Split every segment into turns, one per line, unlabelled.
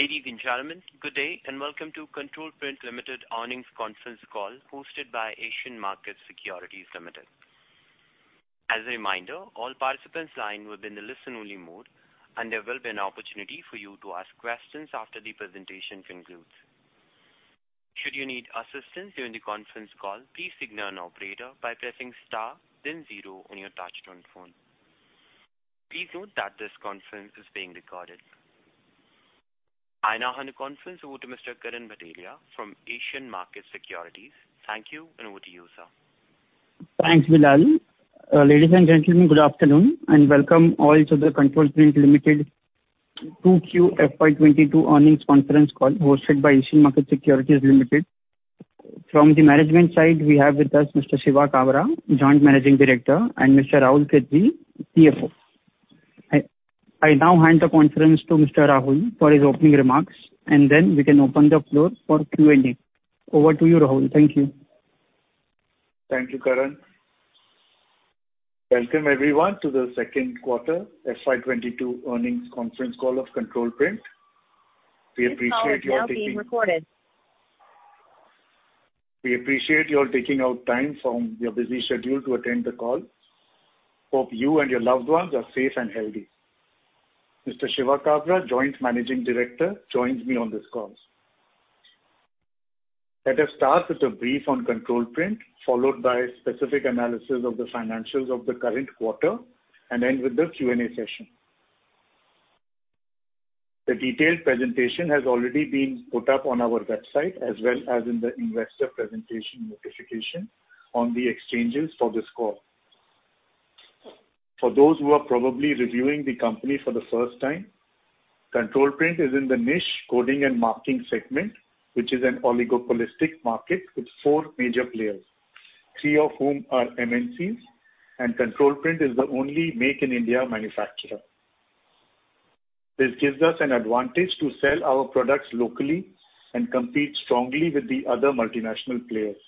Ladies and gentlemen, good day and welcome to Control Print Limited earnings conference call hosted by Asian Market Securities Limited. As a reminder, all participants line will be in the listen only mode, and there will be an opportunity for you to ask questions after the presentation concludes. Should you need assistance during the conference call, please signal an operator by pressing star then zero on your touchtone phone. Please note that this conference is being recorded. I now hand the conference over to Mr. Karan Bhatelia from Asian Market Securities. Thank you, and over to you, sir.
Thanks, Bilal. Ladies and gentlemen, good afternoon, welcome all to the Control Print Limited 2Q FY 2022 earnings conference call hosted by Asian Markets Securities Limited. From the management side, we have with us Mr. Shiva Kabra, Joint Managing Director, and Mr. Rahul Khettry, CFO. I now hand the conference to Mr. Rahul for his opening remarks, then we can open the floor for Q&A. Over to you, Rahul. Thank you.
Thank you, Karan. Welcome everyone to the second quarter FY 2022 earnings conference call of Control Print. We appreciate your taking out time from your busy schedule to attend the call. Hope you and your loved ones are safe and healthy. Mr. Shiva Kabra, Joint Managing Director, joins me on this call. Let us start with a brief on Control Print, followed by specific analysis of the financials of the current quarter. End with the Q&A session. The detailed presentation has already been put up on our website as well as in the investor presentation notification on the exchanges for this call. For those who are probably reviewing the company for the first time, Control Print is in the niche coding and marking segment, which is an oligopolistic market with four major players, three of whom are MNCs, and Control Print is the only Make in India manufacturer. This gives us an advantage to sell our products locally and compete strongly with the other multinational players.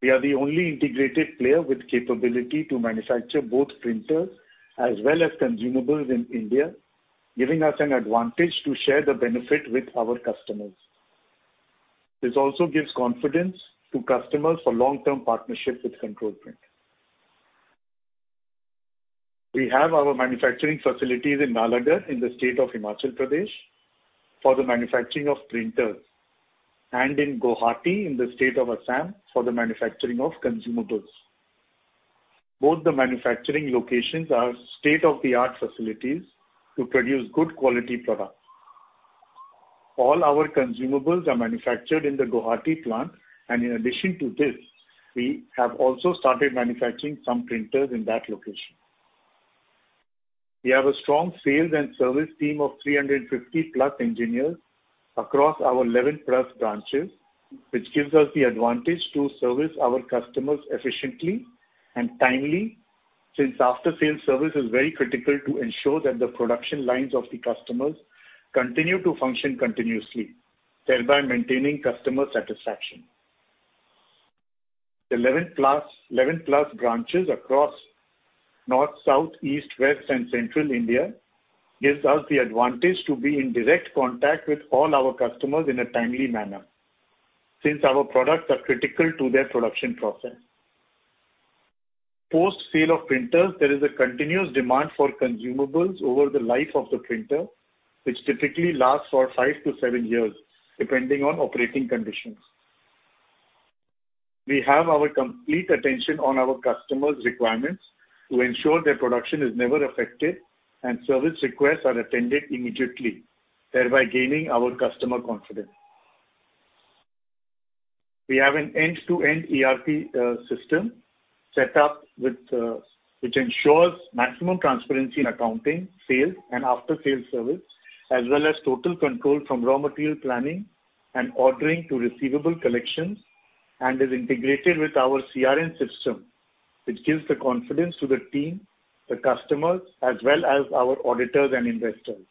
We are the only integrated player with capability to manufacture both printers as well as consumables in India, giving us an advantage to share the benefit with our customers. This also gives confidence to customers for long-term partnership with Control Print. We have our manufacturing facilities in Nalagarh, in the state of Himachal Pradesh, for the manufacturing of printers, and in Guwahati, in the state of Assam, for the manufacturing of consumables. Both the manufacturing locations are state-of-the-art facilities to produce good quality products. All our consumables are manufactured in the Guwahati plant, and in addition to this, we have also started manufacturing some printers in that location. We have a strong sales and service team of 350+ engineers across our 11+ branches, which gives us the advantage to service our customers efficiently and timely, since after-sales service is very critical to ensure that the production lines of the customers continue to function continuously, thereby maintaining customer satisfaction. The 11+ branches across North, South, East, West, and Central India gives us the advantage to be in direct contact with all our customers in a timely manner since our products are critical to their production process. Post sale of printers, there is a continuous demand for consumables over the life of the printer, which typically lasts for five to seven years, depending on operating conditions. We have our complete attention on our customers' requirements to ensure their production is never affected and service requests are attended immediately, thereby gaining our customer confidence. We have an end-to-end ERP system set up which ensures maximum transparency in accounting, sales, and after-sales service, as well as total control from raw material planning and ordering to receivable collections, and is integrated with our CRM system, which gives the confidence to the team, the customers, as well as our auditors and investors.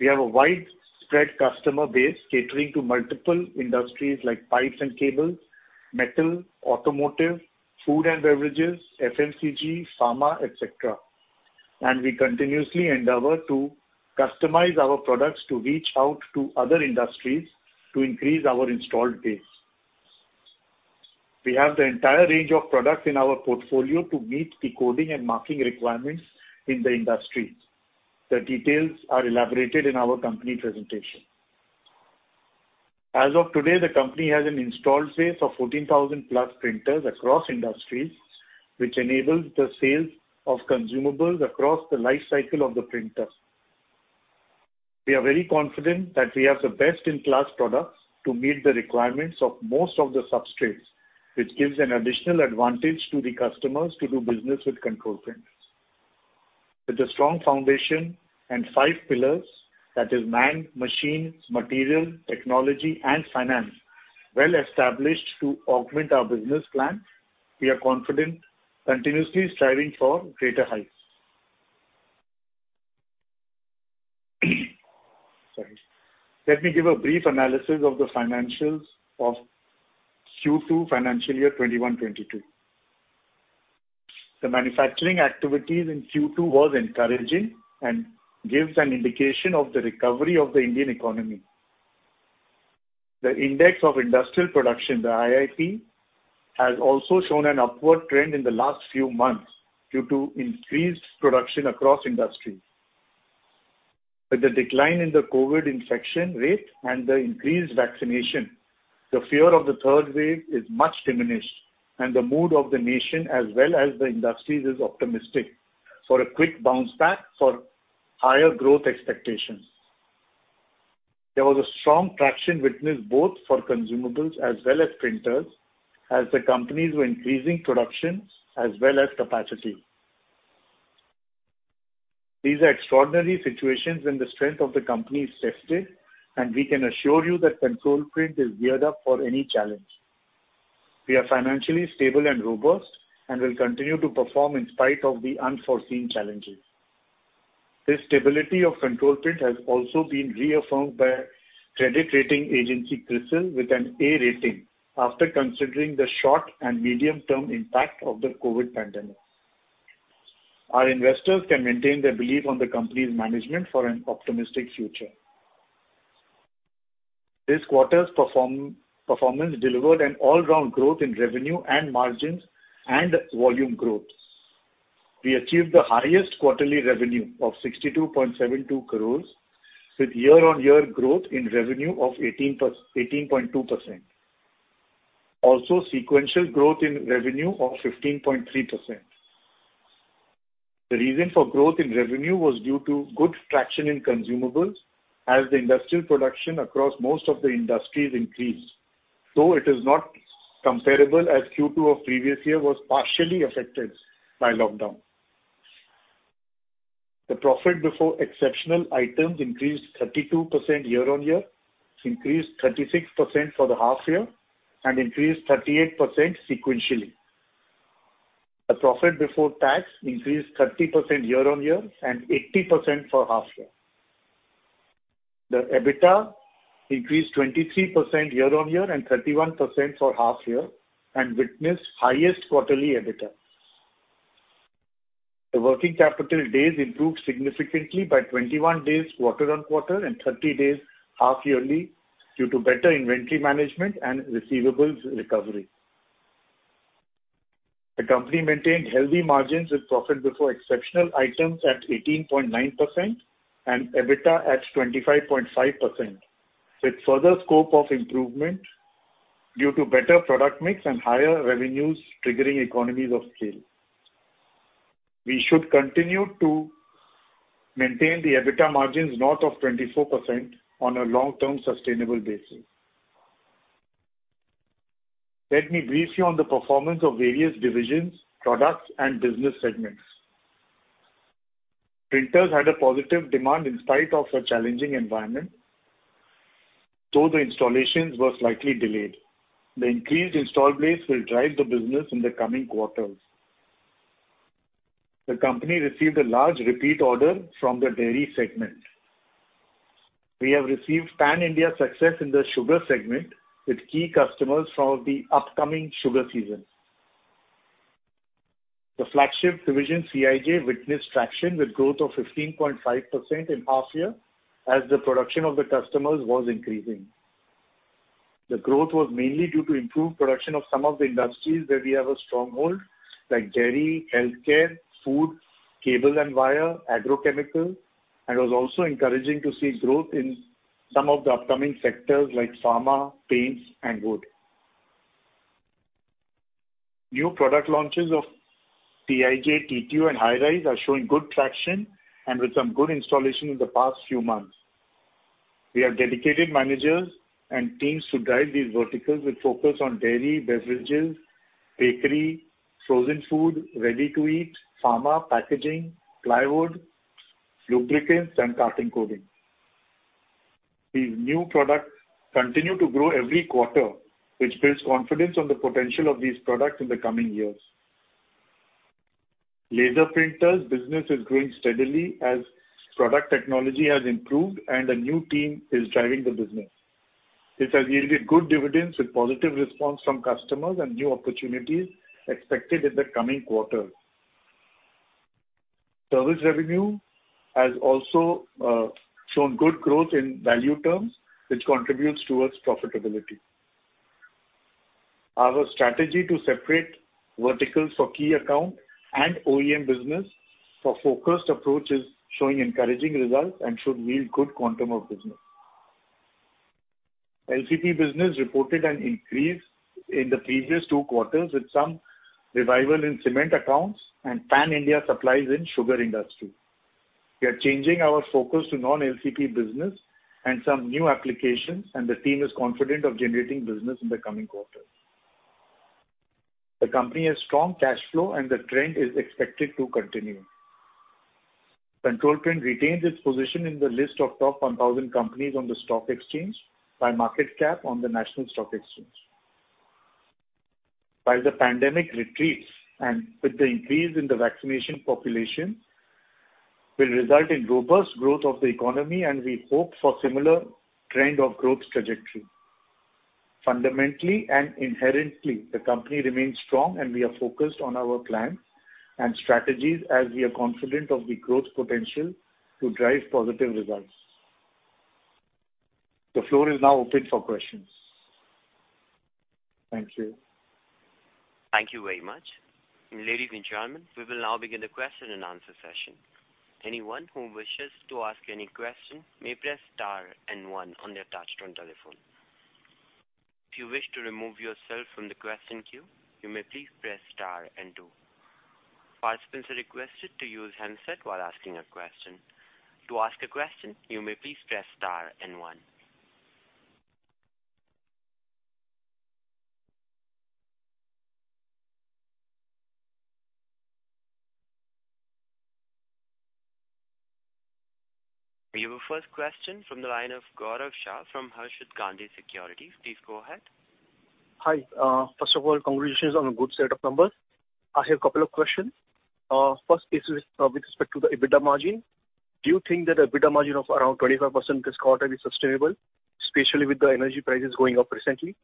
We have a widespread customer base catering to multiple industries like pipes and cables, metal, automotive, food and beverages, FMCG, pharma, et cetera, and we continuously endeavor to customize our products to reach out to other industries to increase our installed base. We have the entire range of products in our portfolio to meet the coding and marking requirements in the industry. The details are elaborated in our company presentation. As of today, the company has an installed base of 14,000+ printers across industries, which enables the sales of consumables across the life cycle of the printer. We are very confident that we have the best-in-class products to meet the requirements of most of the substrates, which gives an additional advantage to the customers to do business with Control Print. With a strong foundation and five pillars, that is man, machine, material, technology, and finance, well established to augment our business plan, we are confident, continuously striving for greater heights. Sorry. Let me give a brief analysis of the financials of Q2 financial year 2021/2022. The manufacturing activities in Q2 was encouraging and gives an indication of the recovery of the Indian economy. The Index of Industrial Production, the IIP, has also shown an upward trend in the last few months due to increased production across industries. With the decline in the COVID infection rate and the increased vaccination, the fear of the third wave is much diminished, and the mood of the nation as well as the industries is optimistic for a quick bounce back for higher growth expectations. There was a strong traction witnessed both for consumables as well as printers as the companies were increasing production as well as capacity. These are extraordinary situations when the strength of the company is tested, and we can assure you that Control Print is geared up for any challenge. We are financially stable and robust and will continue to perform in spite of the unforeseen challenges. The stability of Control Print has also been reaffirmed by credit rating agency CRISIL with an A rating after considering the short and medium-term impact of the COVID pandemic. Our investors can maintain their belief on the company's management for an optimistic future. This quarter's performance delivered an all-round growth in revenue and margins and volume growth. We achieved the highest quarterly revenue of 62.72 crores with year-on-year growth in revenue of 18.2%. Also, sequential growth in revenue of 15.3%. The reason for growth in revenue was due to good traction in consumables as the industrial production across most of the industries increased, though it is not comparable as Q2 of previous year was partially affected by lockdown. The profit before exceptional items increased 32% year-on-year, increased 36% for the half-year, and increased 38% sequentially. The profit before tax increased 30% year-on-year and 80% for half-year. The EBITDA increased 23% year-on-year and 31% for half-year and witnessed highest quarterly EBITDA. The working capital days improved significantly by 21 days quarter-on-quarter and 30 days half-yearly due to better inventory management and receivables recovery. The company maintained healthy margins with profit before exceptional items at 18.9% and EBITDA at 25.5%, with further scope of improvement due to better product mix and higher revenues triggering economies of scale. We should continue to maintain the EBITDA margins north of 24% on a long-term sustainable basis. Let me brief you on the performance of various divisions, products, and business segments. Printers had a positive demand in spite of a challenging environment, though the installations were slightly delayed. The increased install base will drive the business in the coming quarters. The company received a large repeat order from the dairy segment. We have received Pan-India success in the sugar segment with key customers for the upcoming sugar season. The flagship division, CIJ, witnessed traction with growth of 15.5% in half year as the production of the customers was increasing. The growth was mainly due to improved production of some of the industries where we have a stronghold, like dairy, healthcare, food, cable and wire, agrochemical, and was also encouraging to see growth in some of the upcoming sectors like pharma, paints, and wood. New product launches of CIJ, TTO, and Hi-Res are showing good traction and with some good installation in the past few months. We have dedicated managers and teams to drive these verticals with focus on dairy, beverages, bakery, frozen food, ready-to-eat, pharma, packaging, plywood, lubricants, and coating. These new products continue to grow every quarter, which builds confidence on the potential of these products in the coming years. Laser printers business is growing steadily as product technology has improved and a new team is driving the business. This has yielded good dividends with positive response from customers and new opportunities expected in the coming quarters. Service revenue has also shown good growth in value terms, which contributes towards profitability. Our strategy to separate verticals for key account and OEM business for focused approach is showing encouraging results and should yield good quantum of business. LCP business reported an increase in the previous two quarters with some revival in cement accounts and Pan India supplies in sugar industry. We are changing our focus to non-LCP business and some new applications, and the team is confident of generating business in the coming quarters. The company has strong cash flow, and the trend is expected to continue. Control Print retains its position in the list of top 1,000 companies on the stock exchange by market cap on the National Stock Exchange. While the pandemic retreats and with the increase in the vaccination population, will result in robust growth of the economy and we hope for similar trend of growth trajectory. Fundamentally and inherently, the company remains strong, and we are focused on our plans and strategies as we are confident of the growth potential to drive positive results. The floor is now open for questions. Thank you.
Thank you very much. Ladies and gentlemen, we will now begin the question-and-answer session. Anyone who wishes to ask any question may press star and one on their touch-tone telephone. If you wish to remove yourself from the question queue, you may please press star and two. Participants are requested to use handset while asking a question. To ask a question, you may please press star and one. We have our first question from the line of Gaurav Shah from Harshad Gandhi Securities. Please go ahead.
Hi. First of all, congratulations on the good set of numbers. I have a couple of questions. First is with respect to the EBITDA margin. Do you think that the EBITDA margin of around 25% this quarter is sustainable, especially with the energy prices going up recently?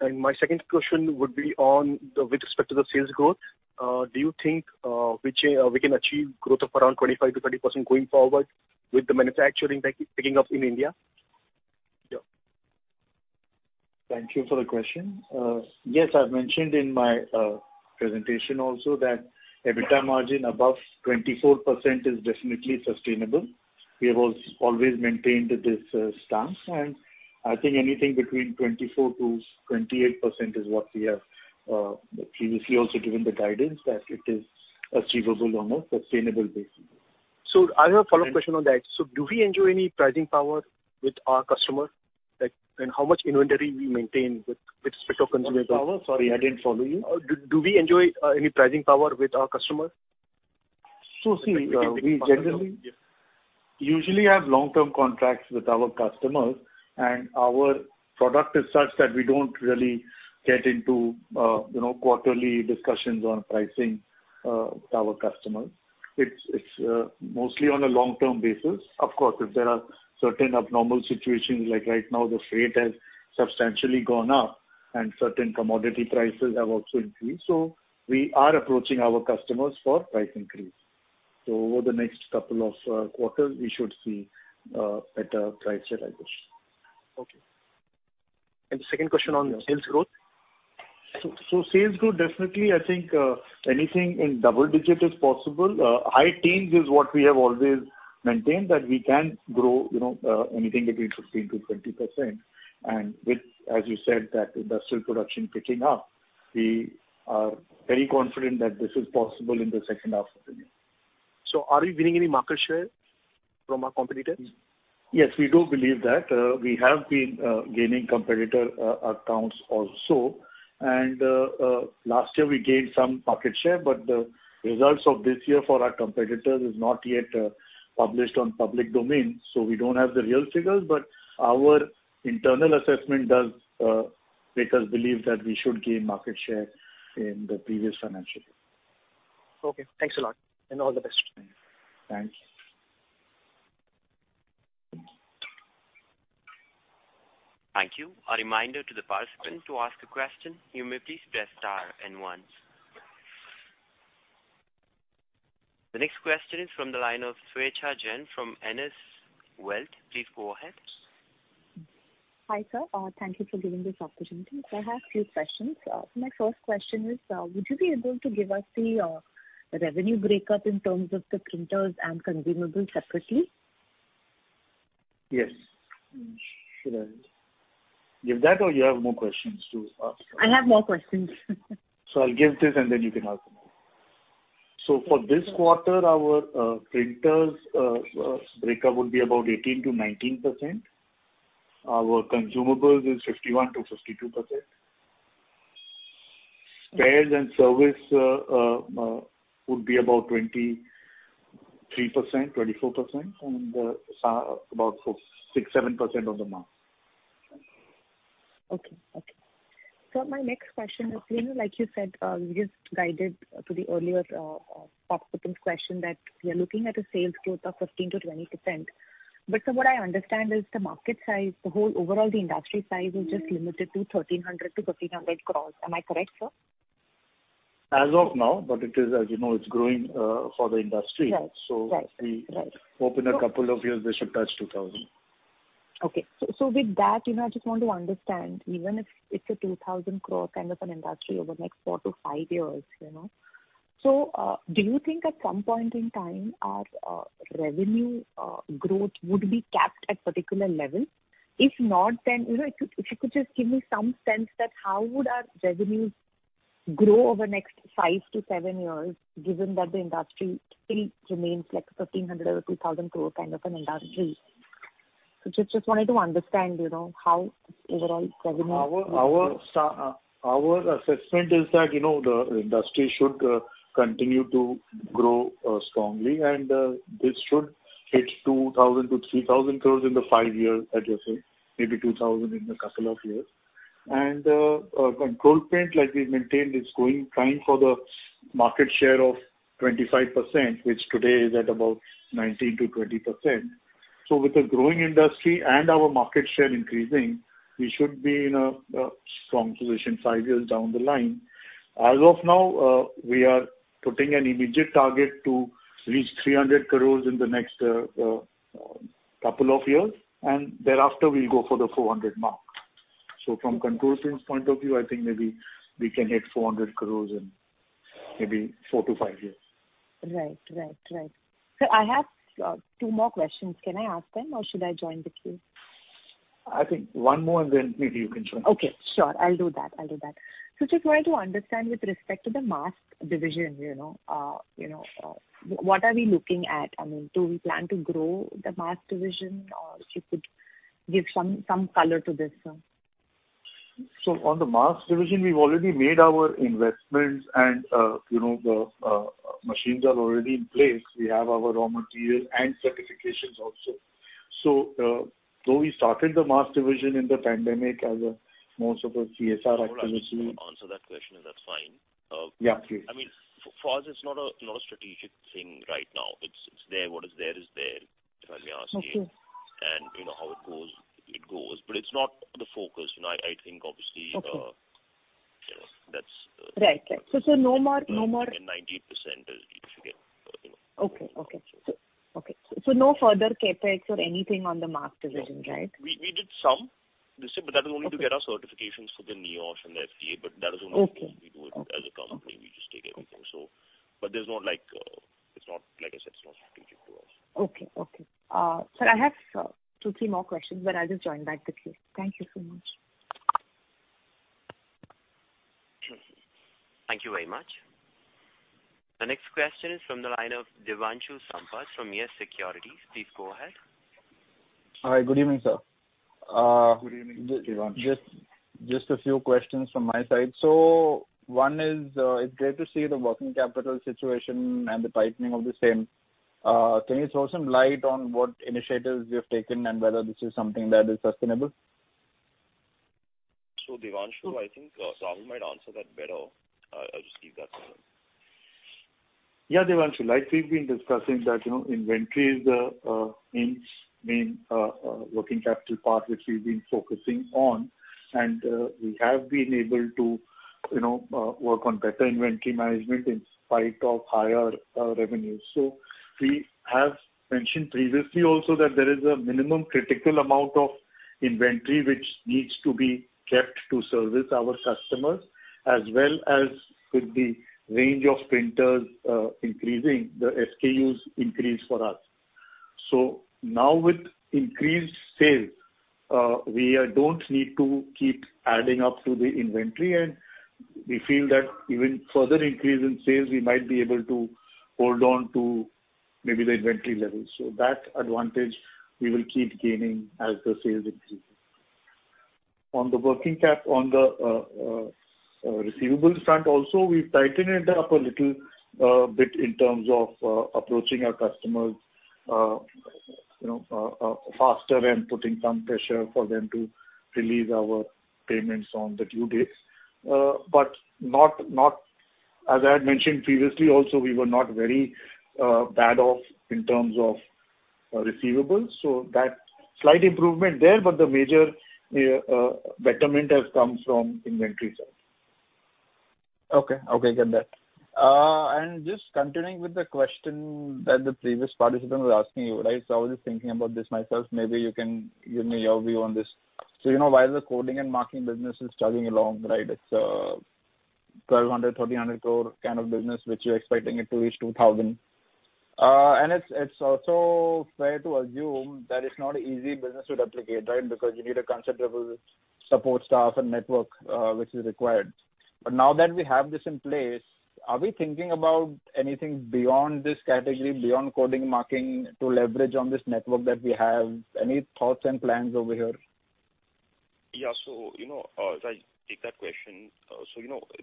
My second question would be with respect to the sales growth. Do you think we can achieve growth of around 25%-30% going forward with the manufacturing picking up in India?
Thank you for the question. Yes, I've mentioned in my presentation also that EBITDA margin above 24% is definitely sustainable. We have always maintained this stance. I think anything between 24%-28% is what we have previously also given the guidance that it is achievable on a sustainable basis.
I have a follow-up question on that. Do we enjoy any pricing power with our customer? How much inventory we maintain with respect of consumables?
Sorry, I didn't follow you.
Do we enjoy any pricing power with our customer?
See, we generally usually have long-term contracts with our customers, and our product is such that we don't really get into quarterly discussions on pricing with our customers. It's mostly on a long-term basis. Of course, if there are certain abnormal situations like right now, the freight has substantially gone up and certain commodity prices have also increased. We are approaching our customers for price increase. Over the next couple of quarters, we should see better price realization.
Okay. The second question on sales growth.
Sales growth, definitely, I think anything in double-digit is possible. High teens is what we have always maintained, that we can grow anything between 15%-20%. With, as you said, that industrial production picking up, we are very confident that this is possible in the second half of the year.
Are we winning any market share from our competitors?
Yes, we do believe that. We have been gaining competitor accounts also. Last year we gained some market share, but the results of this year for our competitors is not yet published on public domain. We don't have the real figures. Our internal assessment does make us believe that we should gain market share in the previous financial year.
Okay. Thanks a lot, and all the best.
Thanks.
Thank you. A reminder to the participant to ask a question, you may please press star and one. The next question is from the line of Swechha Jain from ANS Wealth. Please go ahead.
Hi, sir. Thank you for giving this opportunity. I have few questions. My first question is, would you be able to give us the revenue breakup in terms of the printers and consumables separately?
Yes. Should I give that or you have more questions to ask?
I have more questions.
I'll give this and then you can ask more. For this quarter, our printers breakup would be about 18%-19%. Our consumables is 51%-52%. Spares and service would be about 23%-24%, and about 6%-7% other margin.
Okay. Sir, my next question is, like you said, you just guided to the earlier participant's question that we are looking at a sales growth of 15%-20%. Sir, what I understand is the market size, the whole overall industry size is just limited to 1,300-1,500 crores. Am I correct, sir?
As of now, it is as you know, it's growing for the industry.
Right.
We hope in a couple of years they should touch 2,000.
With that, I just want to understand, even if it's an 2,000 crore kind of an industry over next four to five years. Do you think at some point in time our revenue growth would be capped at particular level? If not, then if you could just give me some sense that how would our revenues grow over next five to seven years, given that the industry still remains like an 1,500 crore or 2,000 crore kind of an industry. Just wanted to understand how overall revenue would grow.
Our assessment is that the industry should continue to grow strongly, this should hit 2,000-3,000 crores in the five years that you're saying, maybe 2,000 in a couple of years. Control Print, like we've maintained, is going trying for the market share of 25%, which today is at about 19%-20%. With a growing industry and our market share increasing, we should be in a strong position five years down the line. As of now, we are putting an immediate target to reach 300 crores in the next couple of years, thereafter we'll go for the 400 mark. From Control Print's point of view, I think maybe we can hit 400 crores in maybe four to five years.
Right. Sir, I have two more questions. Can I ask them or should I join the queue?
I think one more and then maybe you can join.
Okay, sure. I'll do that. Just wanted to understand with respect to the mask division, what are we looking at? I mean, do we plan to grow the mask division or if you could give some color to this, sir.
On the mask division we've already made our investments and the machines are already in place. We have our raw material and certifications also. Though we started the mask division in the pandemic as a more sort of CSR activity.
I'll actually answer that question, if that's fine.
Yeah, please.
I mean, for us it's not a strategic thing right now. It's there. What is there is there, if I may ask you.
Okay.
You know how it goes, it goes, but it's not the focus.
Okay
that's-
Right.
90% is if you get, you know.
Okay. No further CapEx or anything on the mask division, right?
No. We did some this year that was only to get our certifications for the NIOSH and the FDA. That is only because we do it as a company we just take everything. Like I said, it's not strategic to us.
Okay. Sir, I have two, three more questions but I'll just join back the queue. Thank you so much.
Thank you very much. The next question is from the line of Devanshu Sampat from Yes Securities. Please go ahead.
Hi. Good evening, sir.
Good evening, Devanshu.
Just a few questions from my side. One is, it's great to see the working capital situation and the tightening of the same. Can you throw some light on what initiatives you have taken and whether this is something that is sustainable?
Devanshu, I think Rahul might answer that better. I'll just give that to him.
Devanshu like we've been discussing that inventory is the main working capital part which we've been focusing on and we have been able to work on better inventory management in spite of higher revenues. We have mentioned previously also that there is a minimum critical amount of inventory which needs to be kept to service our customers as well as with the range of printers increasing, the SKUs increase for us. Now with increased sales, we don't need to keep adding up to the inventory and we feel that even further increase in sales we might be able to hold on to maybe the inventory levels. That advantage we will keep gaining as the sales increase. On the receivables front also we've tightened it up a little bit in terms of approaching our customers faster and putting some pressure for them to release our payments on the due dates. As I had mentioned previously also we were not very bad off in terms of receivables so that slight improvement there but the major betterment has come from inventory side.
Okay. Get that. Just continuing with the question that the previous participant was asking you, right? I was just thinking about this myself. Maybe you can give me your view on this. While the coding and marking business is chugging along, right? It's 1,200 crore, 1,300 crore kind of business which you're expecting it to reach 2,000 crore. It's also fair to assume that it's not an easy business to replicate, right? Because you need a considerable support staff and network which is required. Now that we have this in place, are we thinking about anything beyond this category, beyond coding and marking to leverage on this network that we have? Any thoughts and plans over here?
Yeah. If I take that question.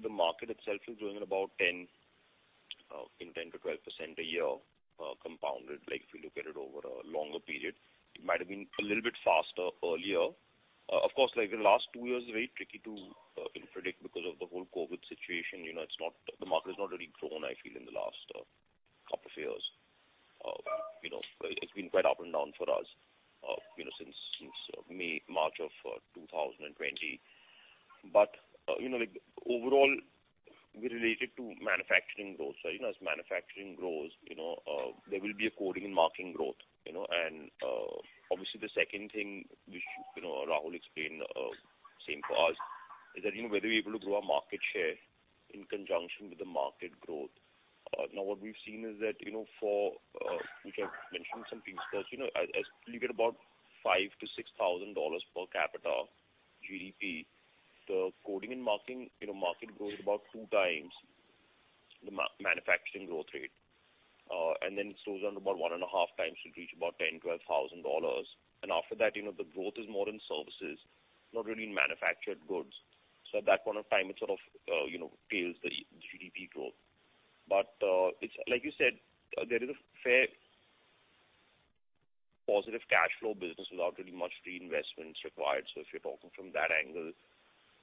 The market itself is growing at about in 10%-12% a year compounded like if you look at it over a longer period. It might have been a little bit faster earlier. Of course, like the last two years are very tricky to predict because of the whole COVID situation. The market has not really grown I feel in the last two years. It's been quite up and down for us since March of 2020. Overall we're related to manufacturing growth. As manufacturing grows there will be a coding and marking growth and obviously the second thing which Rahul explained same for us is that whether we're able to grow our market share in conjunction with the market growth. Now what we've seen is that for which I've mentioned some things because as you get about $5,000-$6,000 per capita GDP the coding and marking market grows about 2x the manufacturing growth rate. It slows down to about one and a half times till it reach about $10,000, $12,000 and after that the growth is more in services not really in manufactured goods. At that point of time it sort of tails the GDP growth. Like you said there is a fair positive cash flow business without really much reinvestments required. If you're talking from that angle,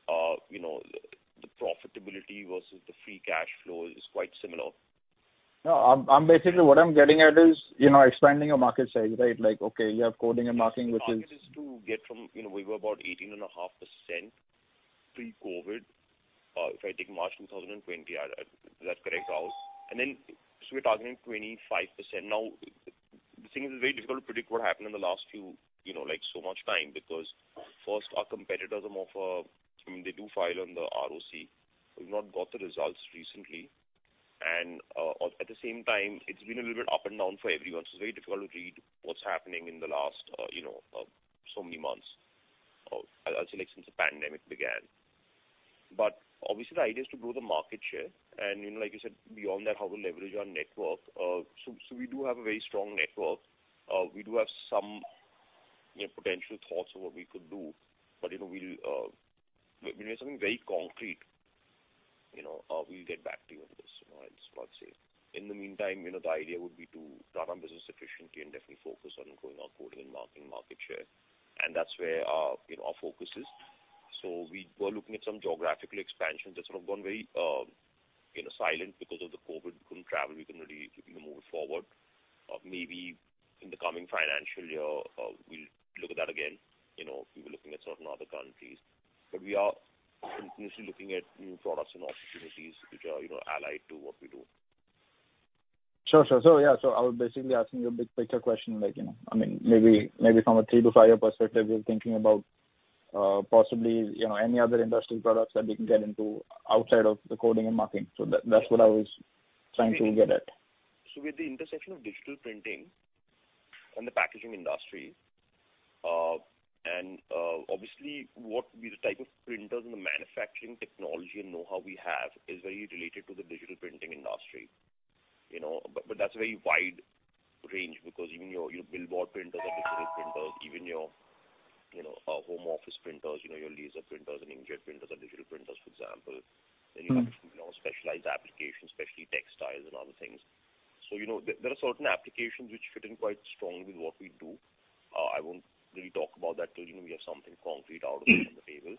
the profitability versus the free cash flow is quite similar.
No, basically what I'm getting at is expanding your market size, right? Like, okay, you have coding and marking.
The target is to get from, we were about 18.5% pre-COVID, if I take March 2020, if that's correct, Rahul. We're targeting 25%. Now, the thing is, it's very difficult to predict what happened in the last few, so much time, because first our competitors are more for I mean, they do file on the ROC. We've not got the results recently, at the same time, it's been a little bit up and down for everyone. It's very difficult to read what's happening in the last so many months. I'll say, since the pandemic began. Obviously the idea is to grow the market share and like you said, beyond that, how we leverage our network. We do have a very strong network. We do have some potential thoughts on what we could do, but when we have something very concrete, we'll get back to you on this. That's what I'd say. In the meantime, the idea would be to run our business efficiently and definitely focus on growing our coding and marking market share, and that's where our focus is. We were looking at some geographical expansion that's sort of gone very silent because of the COVID. We couldn't travel. We couldn't really move it forward. Maybe in the coming financial year, we'll look at that again. We were looking at certain other countries, but we are continuously looking at new products and opportunities which are allied to what we do.
Sure. I was basically asking you a big picture question like, maybe from a 3 to 5-year perspective, you're thinking about possibly any other industrial products that we can get into outside of the coding and marking. That's what I was trying to get at.
With the intersection of digital printing and the packaging industry, and obviously what the type of printers and the manufacturing technology and know-how we have is very related to the digital printing industry. That's a very wide range because even your billboard printers are digital printers. Even your home office printers, your laser printers and inkjet printers are digital printers, for example. You have specialized applications, especially textiles and other things. There are certain applications which fit in quite strongly with what we do. I won't really talk about that till we have something concrete out on the table.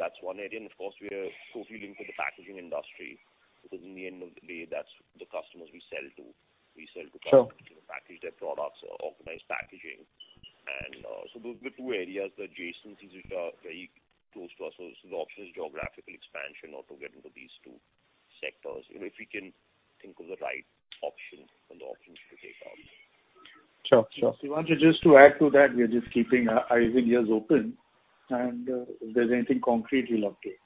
That's one area. Of course, we are totally linked with the packaging industry, because in the end of the day, that's the customers we sell to. We sell to companies-
Sure
who package their products or organized packaging. Those are the two areas, the adjacencies which are very close to us. The option is geographical expansion or to get into these two sectors if we can think of the right options and the options to take out.
Sure.
Devanshu, just to add to that, we are just keeping our eyes and ears open, and if there's anything concrete we'll update.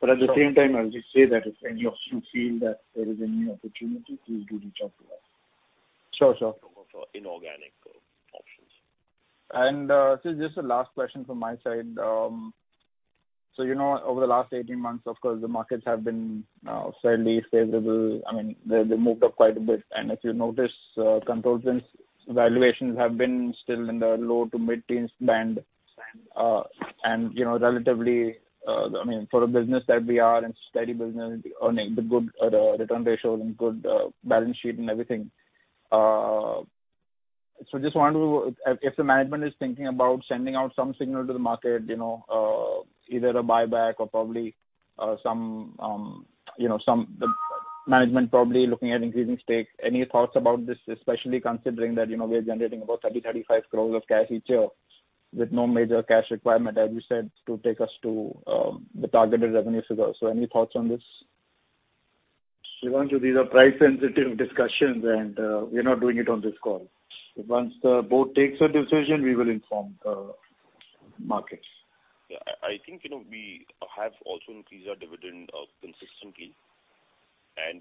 At the same time, I'll just say that if any of you feel that there is a new opportunity, please do reach out to us.
Sure.
For inorganic options.
This is just the last question from my side. Over the last 18 months, of course, the markets have been fairly favorable. They moved up quite a bit, and if you notice, Control Print's valuations have been still in the low to mid-teens band. Relatively, for a business that we are and steady business earning the good return ratios and good balance sheet and everything. Just wonder if the management is thinking about sending out some signal to the market, either a buyback or some management looking at increasing stake. Any thoughts about this, especially considering that we're generating about 30 crore, 35 crore of cash each year with no major cash requirement, as you said, to take us to the targeted revenue figure. Any thoughts on this?
Devanshu Sampat, these are price-sensitive discussions, and we're not doing it on this call. Once the board takes a decision, we will inform the markets.
Yeah, I think we have also increased our dividend consistently,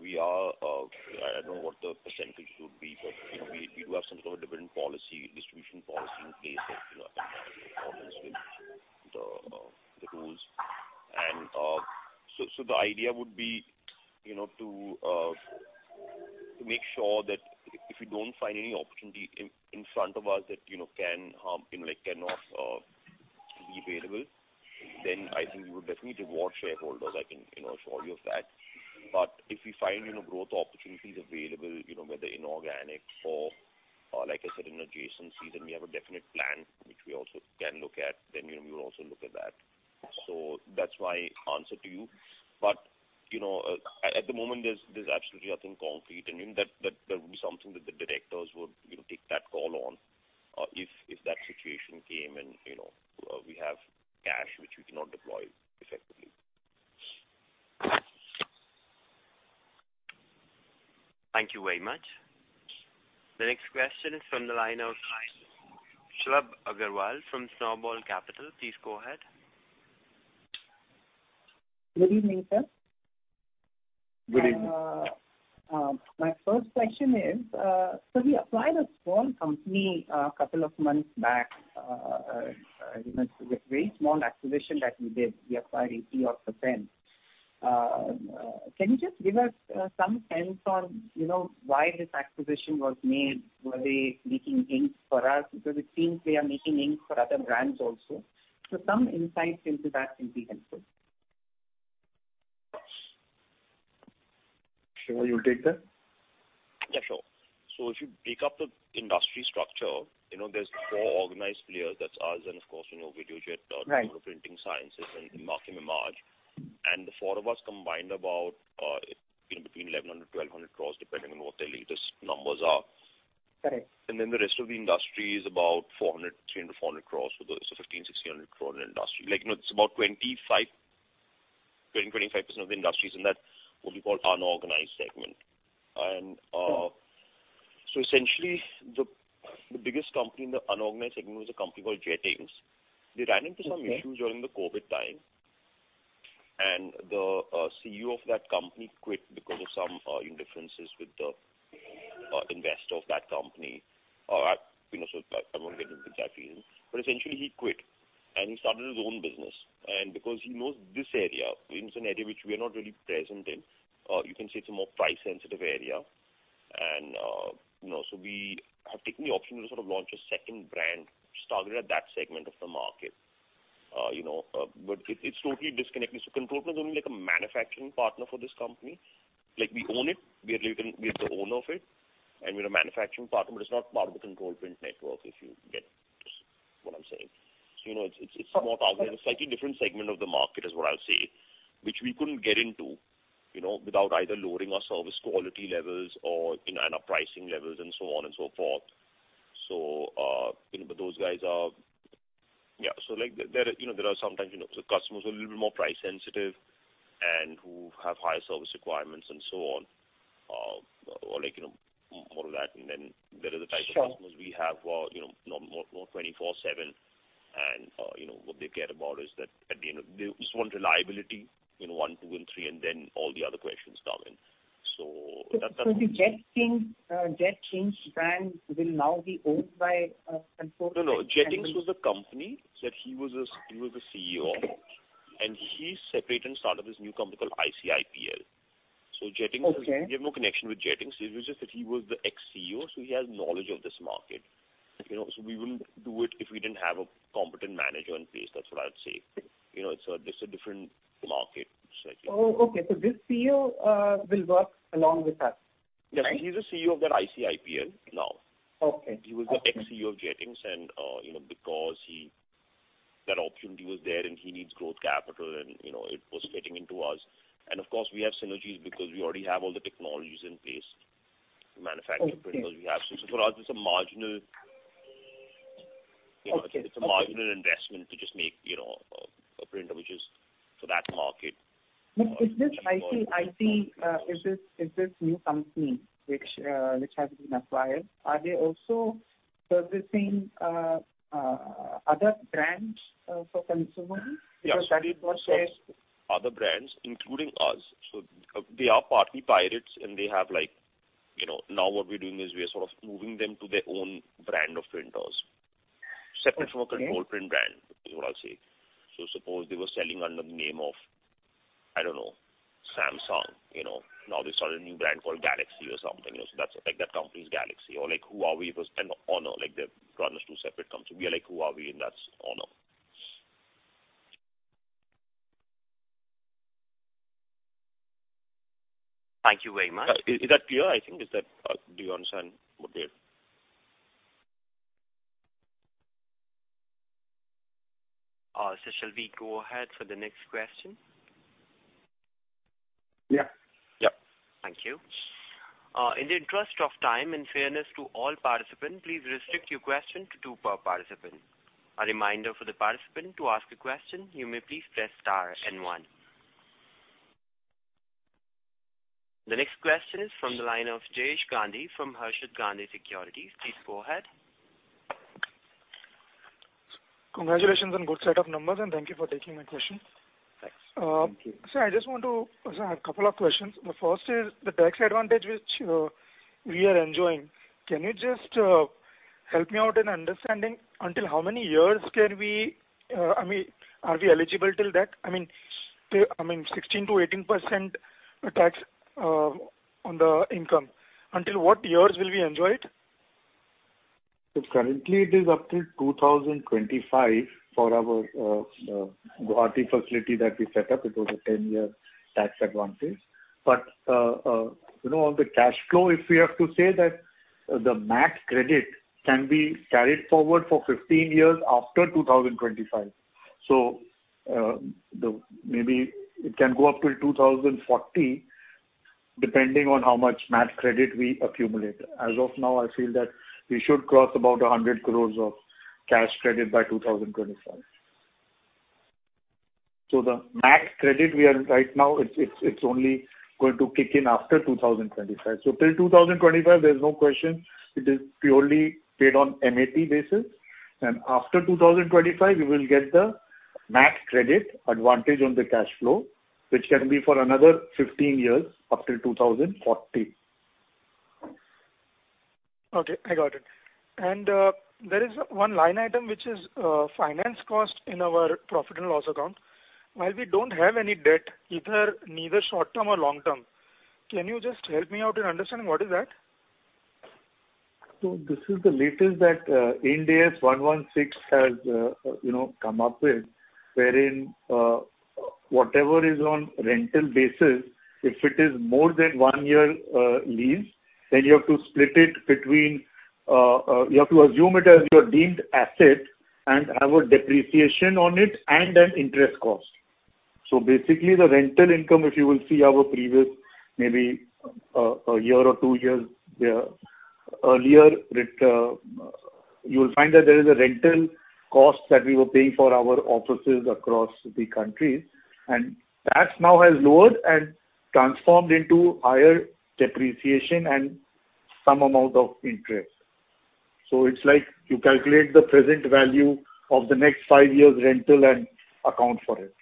we are, I don't know what the percentage would be, but we do have some sort of a dividend policy, distribution policy in place that complies with the rules. The idea would be to make sure that if we don't find any opportunity in front of us that cannot be available, then I think we would definitely reward shareholders, I can assure you of that. If we find growth opportunities available, whether inorganic or like I said, in adjacencies, and we have a definite plan which we also can look at, then we will also look at that. That's my answer to you. At the moment, there's absolutely nothing concrete. That would be something that the directors would take that call on, if that situation came and we have cash which we cannot deploy effectively.
Thank you very much. The next question is from the line of Shalabh Agarwal from Snowball Capital. Please go ahead.
Good evening, sir.
Good evening.
My first question is, we acquired a small company a couple of months back. With very small acquisition that we did, we acquired 80% or so. Can you just give us some sense on why this acquisition was made? Were they making inks for us? Because it seems they are making inks for other brands also. Some insights into that will be helpful. Shiva, you take that?
Yeah, sure. If you break up the industry structure, there's 4 organized players. That's us, and of course, Videojet.
Right
Printing Sciences and Markem-Imaje. The four of us combined about between 1,100 crore-1,200 crore, depending on what their latest numbers are.
Correct.
The rest of the industry is about 300 crore-400 crore. 1,500 crore-1,600 crore industry. It's about 20%-25% of the industry is in that, what we call unorganized segment.
Sure.
Essentially, the biggest company in the unorganized segment was a company called Jet Inks. They ran into some issues during the COVID time, and the CEO of that company quit because of some differences with the investor of that company. I won't get into the exact reason, essentially he quit and he started his own business. Because he knows this area, it's an area which we are not really present in. You can say it's a more price-sensitive area, we have taken the option to sort of launch a second brand which is targeted at that segment of the market. It's totally disconnected. Control Print is only like a manufacturing partner for this company. We own it. We are the owner of it, and we're a manufacturing partner, it's not part of the Control Print network, if you get what I'm saying. It's more targeted at a slightly different segment of the market is what I'll say, which we couldn't get into, without either lowering our service quality levels and our pricing levels and so on and so forth. Sometimes the customers are a little bit more price sensitive and who have higher service requirements and so on, or more of that.
Sure
customers we have who are more 24/7, what they care about is that they just want reliability, one, two, and three. All the other questions come in.
The Jet Inks brand will now be owned by Control Print?
No. Jet Inks was the company that he was the CEO of, and he separated and started this new company called ICIPL.
Okay.
We have no connection with Jet Inks. It was just that he was the ex-CEO, he has knowledge of this market. We wouldn't do it if we didn't have a competent manager in place. That's what I'll say. It's a different market slightly.
Oh, okay. This CEO will work along with us, right?
Yeah. He's the CEO of that ICIPL now.
Okay.
He was the ex-CEO of Jet Inks, because that opportunity was there and he needs growth capital, and it was fitting into us. Of course, we have synergies because we already have all the technologies in place to manufacture printers.
Okay.
For us, it's a.
Okay
It's a marginal investment to just make a printer, which is for that market.
Is this new company which has been acquired, are they also servicing other brands for consumers? Because that is what says.
Other brands including us. They are partly pirates, and they have like Now what we're doing is we are sort of moving them to their own brand of printers, separate from a Control Print brand, is what I'll say. Suppose they were selling under the name of, I don't know, Samsung. Now they start a new brand called Galaxy or something. That's like that company is Galaxy or like Huawei versus Honor. They've run those two separate companies. We are like Huawei, and that's HONOR.
Thank you very much.
Is that clear? Do you understand?
Shall we go ahead for the next question?
Yeah.
Yeah.
Thank you. In the interest of time and fairness to all participants, please restrict your question to two per participant. A reminder for the participant, to ask a question you may please press star one. The next question is from the line of Jayesh Gandhi from Harshad Gandhi Securities. Please go ahead.
Congratulations on good set of numbers, and thank you for taking my question.
Thanks.
Sir, I have a couple of questions. The first is the tax advantage which we are enjoying. Can you just help me out in understanding until how many years are we eligible till that? I mean, 16%-18% tax on the income. Until what years will we enjoy it?
Currently it is up till 2025 for our Guwahati facility that we set up. It was a 10-year tax advantage. On the cash flow, if we have to say that the MAT credit can be carried forward for 15 years after 2025. Maybe it can go up till 2040, depending on how much MAT credit we accumulate. As of now, I feel that we should cross about 100 crore of cash credit by 2025. The MAT credit right now, it's only going to kick in after 2025. Till 2025, there's no question. It is purely paid on MAT basis. After 2025, we will get the MAT credit advantage on the cash flow, which can be for another 15 years, up till 2040.
Okay, I got it. There is one line item, which is finance cost in our profit and loss account. While we don't have any debt, neither short-term or long-term, can you just help me out in understanding what is that?
This is the latest that Ind AS 116 has come up with, wherein whatever is on rental basis, if it is more than one-year lease, then you have to assume it as your deemed asset and have a depreciation on it and an interest cost. Basically, the rental income, if you will see our previous, maybe a year or two years earlier, you will find that there is a rental cost that we were paying for our offices across the country, and that now has lowered and transformed into higher depreciation and some amount of interest. It's like you calculate the present value of the next five years' rental and account for it.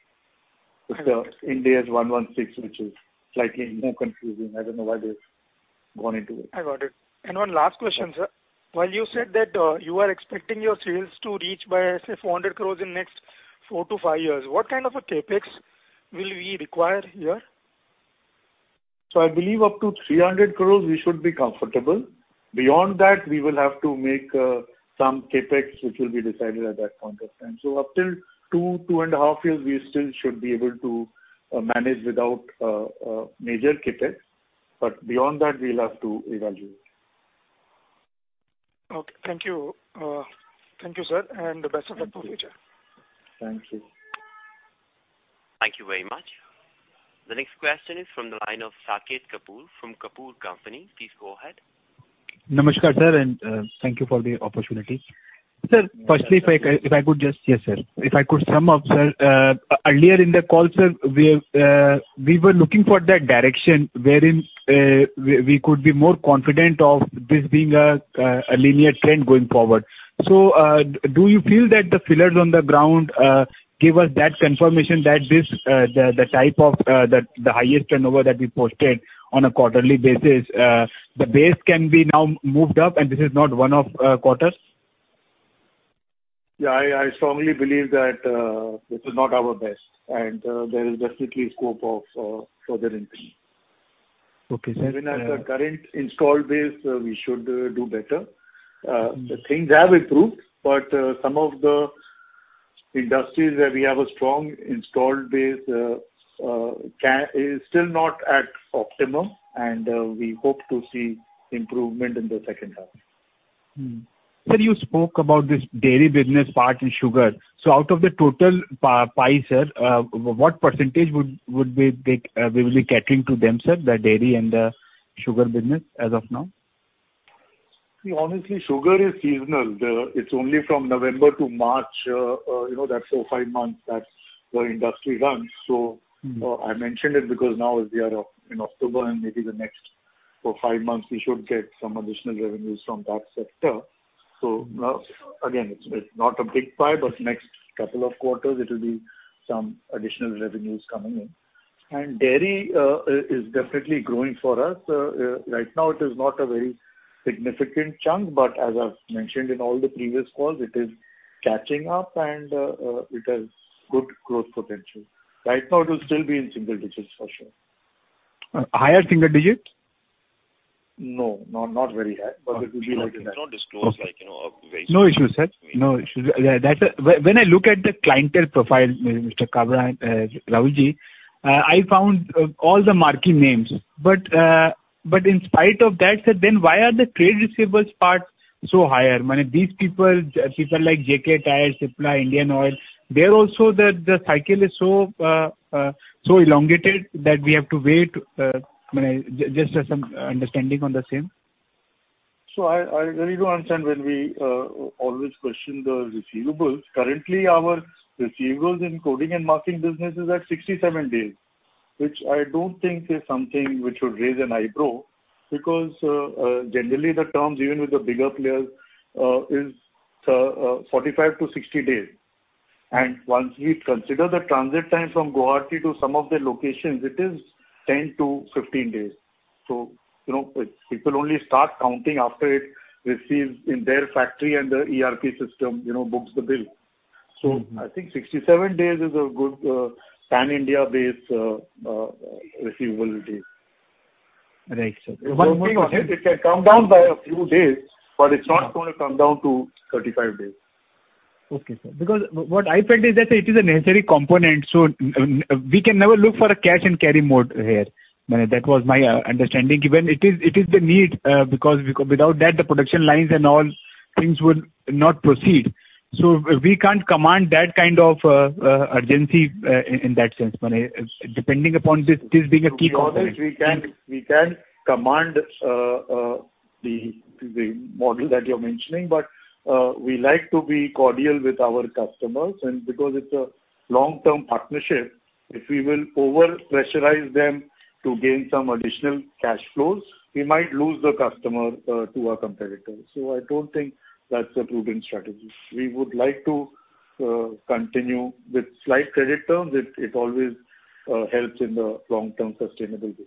It's the Ind AS 116, which is slightly more confusing. I don't know why they've gone into it.
I got it. One last question, sir. While you said that you are expecting your sales to reach by, say, 400 crore in next four to five years, what kind of a CapEx will we require here?
I believe up to 300 crores we should be comfortable. Beyond that, we will have to make some CapEx, which will be decided at that point of time. Up till 2.5 Years, we still should be able to manage without major CapEx. Beyond that, we'll have to evaluate.
Okay. Thank you. Thank you, sir, and the best of luck for future.
Thank you.
Thank you very much. The next question is from the line of Saket Kapoor from Kapoor Company. Please go ahead.
Namaskar, sir. Thank you for the opportunity. Sir, firstly, if I could sum up, sir. Earlier in the call, sir, we were looking for that direction wherein we could be more confident of this being a linear trend going forward. Do you feel that the pillars on the ground give us that confirmation that the highest turnover that we posted on a quarterly basis, the base can be now moved up, and this is not one-off quarters?
Yeah, I strongly believe that this is not our best, and there is definitely scope of further increase.
Okay, sir.
Even at the current install base, we should do better. Things have improved, but some of the industries where we have a strong installed base is still not at optimum, and we hope to see improvement in the second half.
Sir, you spoke about this dairy business part in sugar. Out of the total pie, sir, what percentage would we be catering to them, sir, the dairy and the sugar business as of now?
See, honestly, sugar is seasonal. It is only from November to March, that 4, 5 months that the industry runs. I mentioned it because now we are in October, and maybe the next 4, 5 months, we should get some additional revenues from that sector. Again, it is not a big pie, but next couple of quarters, it will be some additional revenues coming in. Dairy is definitely growing for us. Right now, it is not a very significant chunk, but as I have mentioned in all the previous calls, it is catching up and it has good growth potential. Right now, it will still be in single digits for sure.
Higher single digits?
No, not very high, but it will be like that.
Okay. No issues, sir. When I look at the clientele profile, Mr. Rahul, I found all the marquee names. In spite of that, sir, then why are the trade receivables part so higher? These people like JK Tyre, Cipla, Indian Oil, there also the cycle is so elongated that we have to wait. Just some understanding on the same.
I really don't understand when we always question the receivables. Currently, our receivables in coding and marking business is at 67 days, which I don't think is something which should raise an eyebrow because generally the terms, even with the bigger players, is 45-60 days. Once we consider the transit time from Guwahati to some of the locations, it is 10-15 days. People only start counting after it receives in their factory and the ERP system books the bill. I think 67 days is a good pan-India base receivable days.
Right, sir. One more question.
It can come down by a few days, but it's not going to come down to 35 days.
Okay, sir. What I felt is that it is a necessary component, so we can never look for a cash and carry mode here. That was my understanding, given it is the need, because without that, the production lines and all things would not proceed. We can't command that kind of urgency in that sense. Depending upon this being a key component.
We can command the model that you're mentioning, but we like to be cordial with our customers, and because it's a long-term partnership, if we will over-pressurize them to gain some additional cash flows, we might lose the customer to our competitors. I don't think that's a prudent strategy. We would like to continue with slight credit terms. It always helps in the long-term sustainability.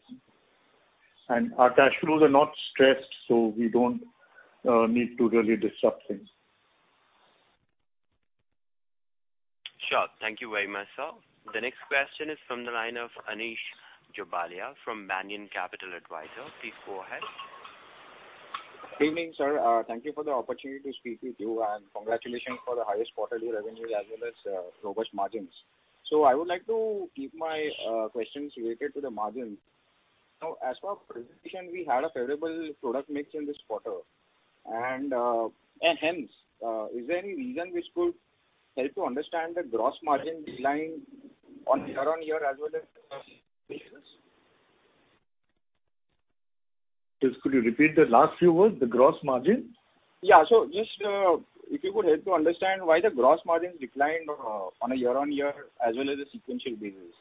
Our cash flows are not stressed, so we don't need to really disrupt things.
Thank you very much, sir. The next question is from the line of Anish Jobalia from Banyan Capital Advisors. Please go ahead.
Good evening, sir. Thank you for the opportunity to speak with you, and congratulations for the highest quarterly revenue as well as robust margins. I would like to keep my questions related to the margins. Now, as for presentation, we had a favorable product mix in this quarter. Hence, is there any reason which could help to understand the gross margin decline on year-on-year as well as basis?
Just could you repeat the last few words, the gross margin?
Yeah. Just if you could help to understand why the gross margin declined on a year-on-year as well as a sequential basis.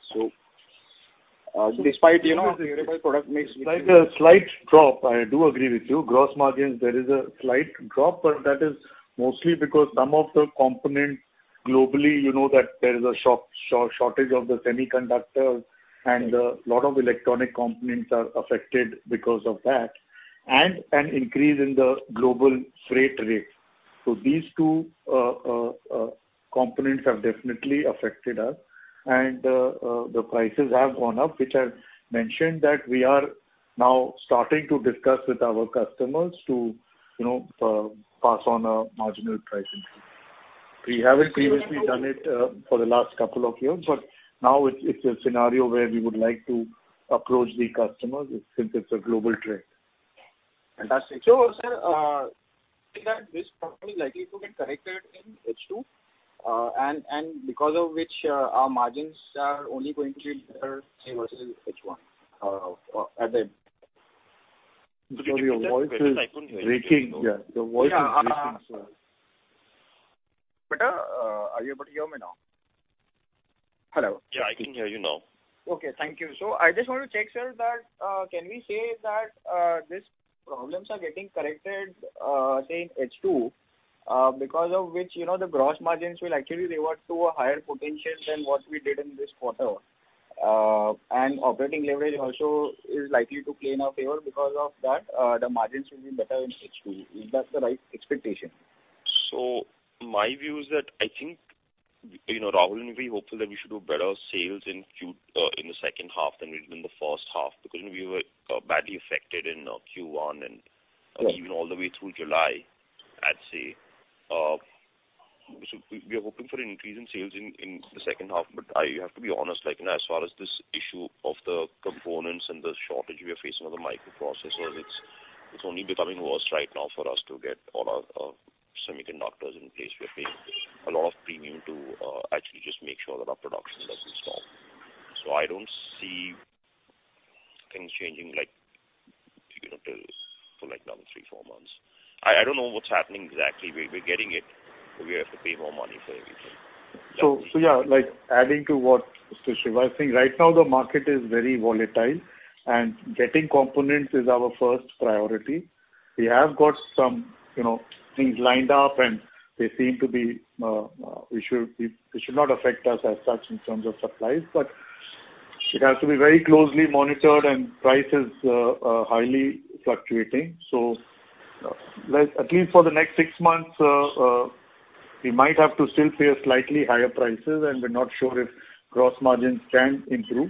Despite the favorable product mix.
There's a slight drop. I do agree with you. Gross margins, there is a slight drop, but that is mostly because some of the components globally, you know that there is a shortage of the semiconductors, and a lot of electronic components are affected because of that, and an increase in the global freight rate. These two components have definitely affected us. The prices have gone up, which I've mentioned that we are now starting to discuss with our customers to pass on a marginal price increase. We haven't previously done it for the last couple of years, but now it's a scenario where we would like to approach the customers since it's a global trend.
Fantastic. Sir, this problem is likely to get corrected in H2, and because of which our margins are only going to get better say versus H1.
Sorry, your voice is breaking. Your voice is breaking, sir.
Are you able to hear me now? Hello.
Yeah, I can hear you now.
Okay. Thank you. I just want to check, sir, that can we say that these problems are getting corrected, say in H2, because of which the gross margins will actually revert to a higher potential than what we did in this quarter. Operating leverage also is likely to play in our favor because of that, the margins will be better in H2. Is that the right expectation?
My view is that, I think, Rahul and me hopeful that we should do better sales in the second half than we did in the first half because we were badly affected in Q1.
Yeah
even all the way through July, I'd say. We are hoping for an increase in sales in the second half. I have to be honest, as far as this issue of the components and the shortage we are facing on the microprocessors, it's only becoming worse right now for us to get all our semiconductors in place. We are paying a lot of premium to actually just make sure that our production doesn't stop. I don't see things changing for another three, four months. I don't know what's happening exactly. We're getting it, we have to pay more money for everything.
Yeah. Adding to what Shiva is saying, right now the market is very volatile, and getting components is our first priority. We have got some things lined up, and it should not affect us as such in terms of supplies, but it has to be very closely monitored, and price is highly fluctuating. At least for the next six months, we might have to still pay a slightly higher prices, and we're not sure if gross margins can improve.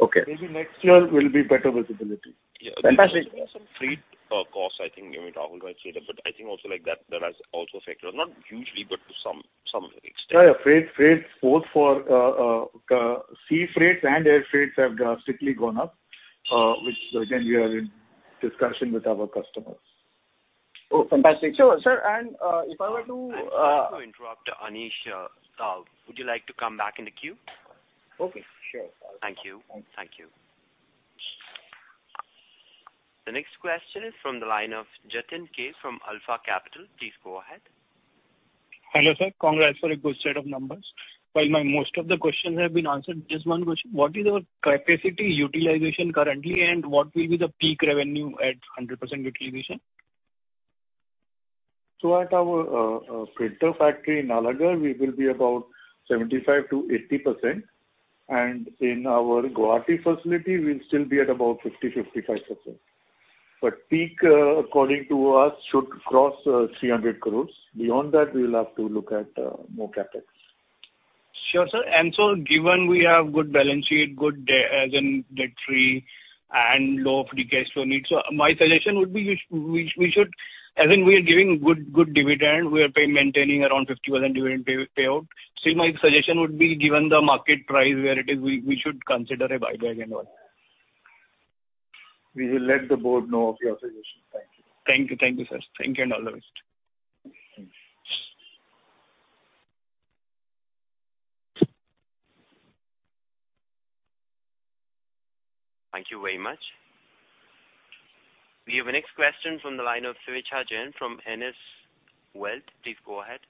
Okay.
Maybe next year will be better visibility.
Fantastic.
Yeah. There are some freight costs, I think maybe Rahul might say that. I think also that has also affected us. Not hugely, but to some extent.
Yeah. Freight, both for sea freights and air freights have drastically gone up, which again, we are in discussion with our customers.
Oh, fantastic.
I'm sorry to interrupt, Anish. Would you like to come back in the queue?
Okay, sure.
Thank you. The next question is from the line of Jatin Khemani from Alpha Capital. Please go ahead.
Hello, sir. Congrats for a good set of numbers. While my most of the questions have been answered, just one question. What is our capacity utilization currently, and what will be the peak revenue at 100% utilization?
At our printer factory in Nalagarh, we will be about 75%-80%. In our Guwahati facility, we'll still be at about 50%-55%. Peak, according to us, should cross 300 crore. Beyond that, we will have to look at more CapEx.
Sure, sir. Given we have good balance sheet, good as in debt free and low needs. My suggestion would be we should, as in we are giving good dividend. We are maintaining around 50 million dividend payout. Still, my suggestion would be, given the market price where it is, we should consider a buyback and all.
We will let the board know of your suggestion. Thank you.
Thank you. Thank you, sir. Thank you, and all the best.
Thank you very much. We have a next question from the line of Swechha Jain from ANS Wealth. Please go ahead.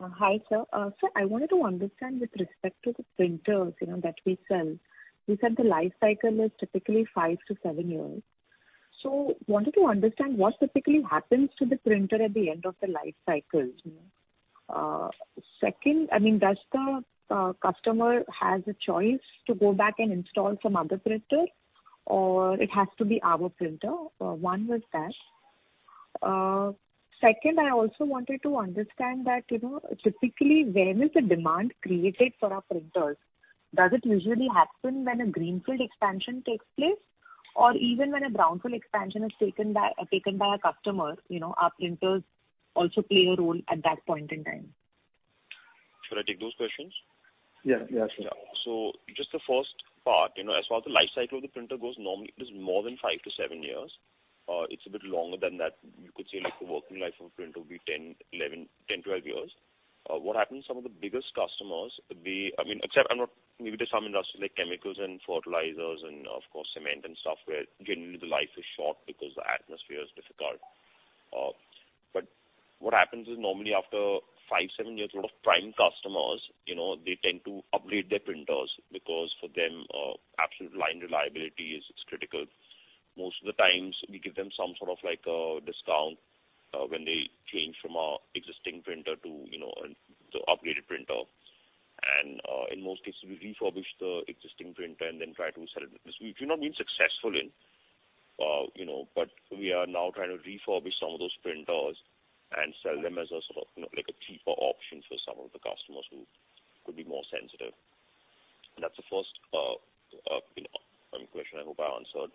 Hi, sir. Sir, I wanted to understand with respect to the printers that we sell. You said the life cycle is typically five to seven years. Wanted to understand what specifically happens to the printer at the end of the life cycle. Second, does the customer has a choice to go back and install some other printer or it has to be our printer? One was that. Second, I also wanted to understand that, typically, when is the demand created for our printers? Does it usually happen when a greenfield expansion takes place? Even when a brownfield expansion is taken by a customer, our printers also play a role at that point in time.
Should I take those questions?
Yeah. Sure.
Just the first part, as far as the life cycle of the printer goes, normally it is more than five to seven years. It's a bit longer than that. You could say the working life of a printer will be 10, 12 years. What happens, some of the biggest customers, except maybe there's some industries like chemicals and fertilizers and of course cement and stuff, where generally the life is short because the atmosphere is difficult. What happens is normally after five to seven years, a lot of prime customers, they tend to upgrade their printers because for them, absolute line reliability is critical. Most of the time, we give them some sort of discount when they change from our existing printer to an upgraded printer. In most cases, we refurbish the existing printer and then try to sell it. Which we've not been successful in, but we are now trying to refurbish some of those printers and sell them as a sort of cheaper option for some of the customers who could be more sensitive. That's the first question I hope I answered.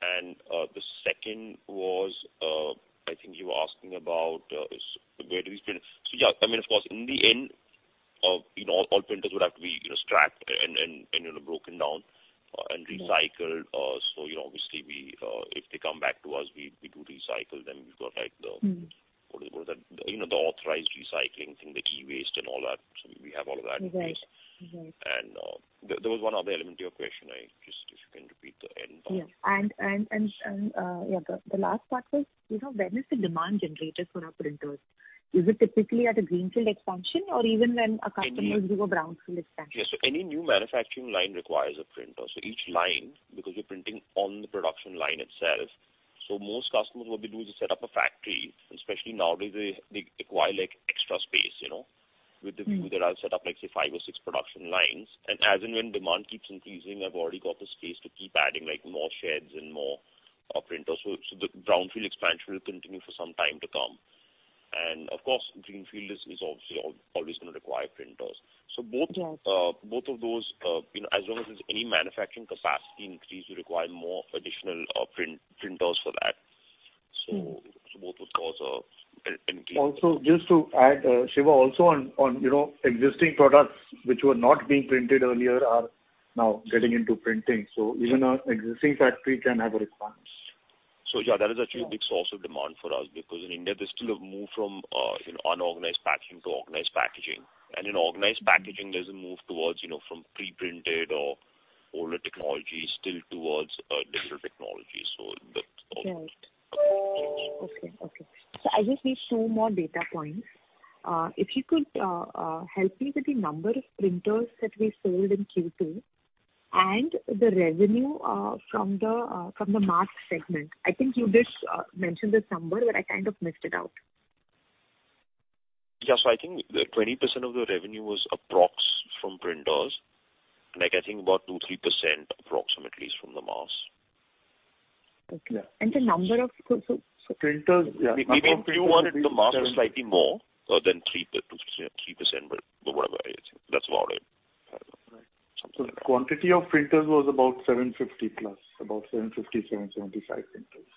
The second was, I think you were asking about where do we print. Yeah, of course, in the end, all printers would have to be scrapped and broken down and recycled. Obviously, if they come back to us, we do recycle them. What is it called? The authorized recycling thing, the e-waste and all that. We have all of that in place.
Right.
There was one other element to your question. If you can repeat the end part.
Yeah. The last part was, when is the demand generated for our printers? Is it typically at a greenfield expansion or even when a customer?
Any new-
does a brownfield expansion?
Yes. Any new manufacturing line requires a printer. Each line, because you're printing on the production line itself. Most customers, what they do is they set up a factory, especially nowadays, they acquire extra space. With the view they'll set up, say five or six production lines. As and when demand keeps increasing, they've already got the space to keep adding more sheds and more printers. The brownfield expansion will continue for some time to come. Of course, greenfield is obviously always going to require printers.
Yes.
Both of those, as long as there's any manufacturing capacity increase, will require more additional printers for that. Both would cause a pinpoint.
Just to add, Shiva, also on existing products which were not being printed earlier are now getting into printing. Even our existing factory can have a response.
Yeah, that is actually a big source of demand for us because in India, they still have moved from unorganized packaging to organized packaging. In organized packaging, there's a move towards from pre-printed or older technology still towards digital technology. That's all.
Right. Okay. I just need two more data points. If you could help me with the number of printers that we sold in Q2 and the revenue from the MaaS segment. I think you did mention this number, I kind of missed it out.
Yeah. I think 20% of the revenue was approx. from printers. I think about 2%-3% approximately is from the MaaS.
Okay.
Yeah.
The number of printers
Printers, yeah.
Maybe if you wanted the MaaS slightly more, then 3%, but whatever it is, that's about it.
Right. The quantity of printers was about 750+. About 750, 775 printers.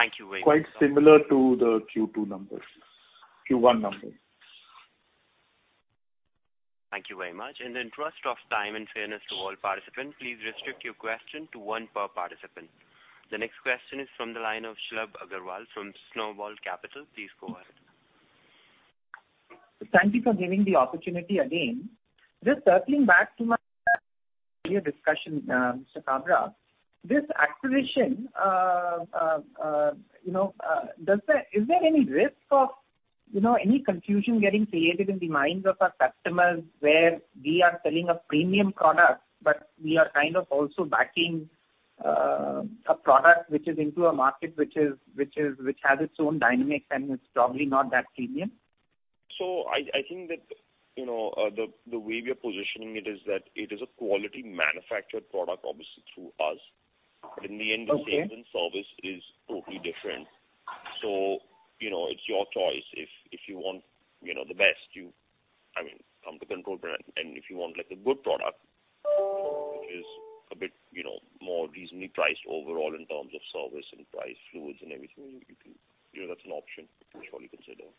Thank you very much.
Quite similar to the Q2 numbers, Q1 numbers.
Thank you very much. In the interest of time and fairness to all participants, please restrict your question to one per participant. The next question is from the line of Shalabh Agarwal from Snowball Capital. Please go ahead.
Thank you for giving the opportunity again. Just circling back to my earlier discussion, Mr. Kabra. This acquisition, is there any risk of any confusion getting created in the minds of our customers where we are selling a premium product, but we are kind of also backing a product which is into a market which has its own dynamics and it's probably not that premium?
I think that the way we are positioning it is that it is a quality manufactured product, obviously through us.
Okay.
In the end, the sales and service is totally different. It's your choice. If you want the best, come to Control Print, and if you want a good product which is a bit more reasonably priced overall in terms of service and price, fluids and everything, that's an option for sure you can say that.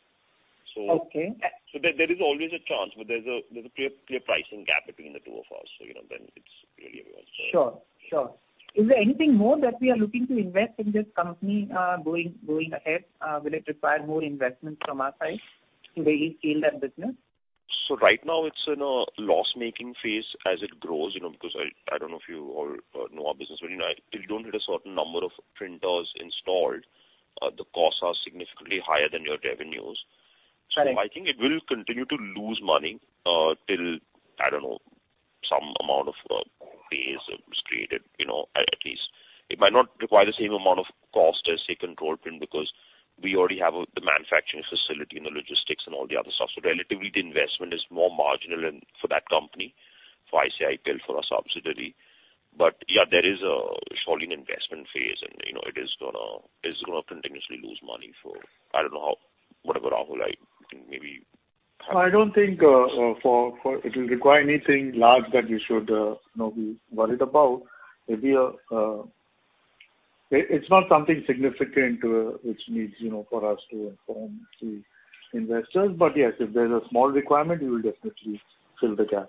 Okay.
There is always a chance, but there's a clear pricing gap between the two of us. It's clear to everyone.
Sure. Is there anything more that we are looking to invest in this company going ahead? Will it require more investment from our side to really scale that business?
Right now it's in a loss-making phase as it grows, because I don't know if you all know our business very well. Till you don't hit a certain number of printers installed, the costs are significantly higher than your revenues.
Right.
I think it will continue to lose money till, I don't know, some amount of base is created, at least. It might not require the same amount of cost as, say, Control Print, because we already have the manufacturing facility and the logistics and all the other stuff. Relatively, the investment is more marginal for that company. For ICIPL for a subsidiary. Yeah, there is surely an investment phase, and it is going to continuously lose money for I don't know how. What about Rahul?
I don't think it will require anything large that we should be worried about. It's not something significant which needs for us to inform the investors. Yes, if there's a small requirement, we will definitely fill the gap.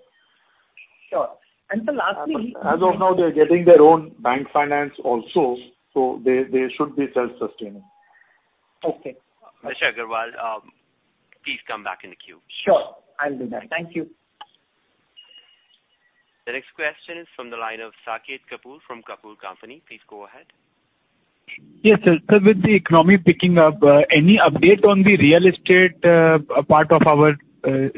Sure. sir, lastly.
As of now, they're getting their own bank finance also, so they should be self-sustaining.
Okay.
Mr. Agarwal, please come back in the queue.
Sure, I'll be back. Thank you.
The next question is from the line of Saket Kapoor from Kapoor & Company. Please go ahead.
Yes, sir. Sir, with the economy picking up, any update on the real estate part of our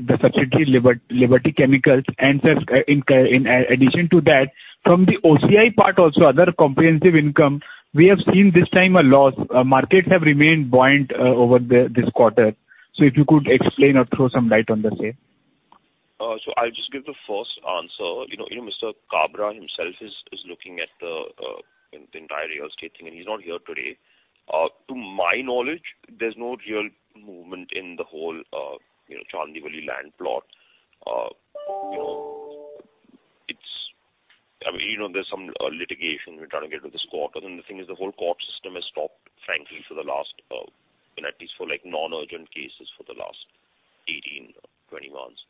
subsidiary, Liberty Chemicals? Sir, in addition to that, from the OCI part also, other comprehensive income, we have seen this time a loss. Markets have remained buoyant over this quarter. If you could explain or throw some light on the same.
I'll just give the first answer. Mr. Kabra himself is looking at the entire real estate thing, and he's not here today. To my knowledge, there's no real movement in the whole Chandivali land plot. There's some litigation we're trying to get rid of this quarter, and the thing is the whole court system has stopped, frankly, at least for non-urgent cases, for the last 18, 20 months.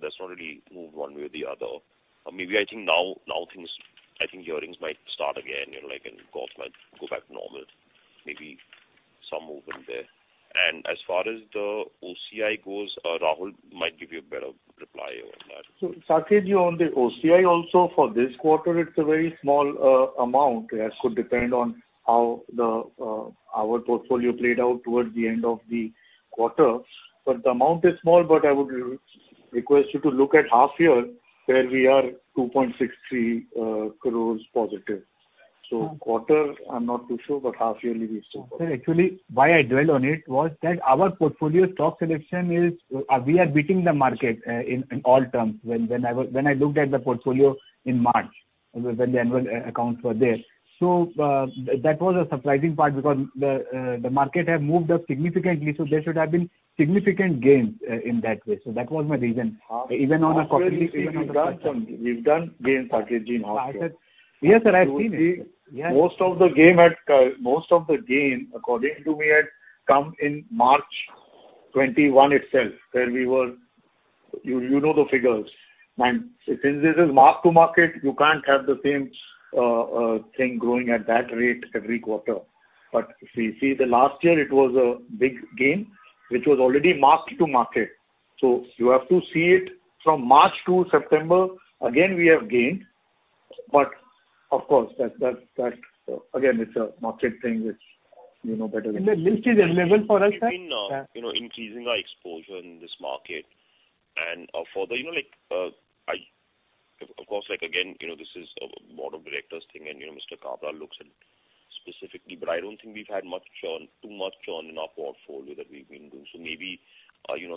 That's not really moved one way or the other. Maybe I think now things, I think hearings might start again, and courts might go back to normal. Maybe some movement there. As far as the OCI goes, Rahul might give you a better reply on that.
Saket ji, on the OCI also for this quarter, it's a very small amount that could depend on how our portfolio played out towards the end of the quarter. The amount is small, but I would request you to look at half year where we are 2.63 crores positive. Quarter, I'm not too sure, but half yearly we're still-
Sir, actually, why I dwell on it was that our portfolio stock selection is we are beating the market in all terms. When I looked at the portfolio in March, when the annual accounts were there. That was a surprising part because the market had moved up significantly, so there should have been significant gains in that way. That was my reason. Even on a-
Half yearly we've done gains, Saket, in half yearly.
Yes, sir, I've seen it.
Most of the gain, according to me, had come in March 2021 itself, where we were You know the figures. Since this is mark-to-market, you can't have the same thing growing at that rate every quarter. See, the last year it was a big gain, which was already mark-to-market. You have to see it from March to September, again, we have gained. Of course, again, it's a market thing which you know better than me.
Is the list available for us, sir?
We've been increasing our exposure in this market. Of course, again, this is a board of directors thing, and Mr. Kabra looks at it specifically, but I don't think we've had too much churn in our portfolio that we've been doing. Maybe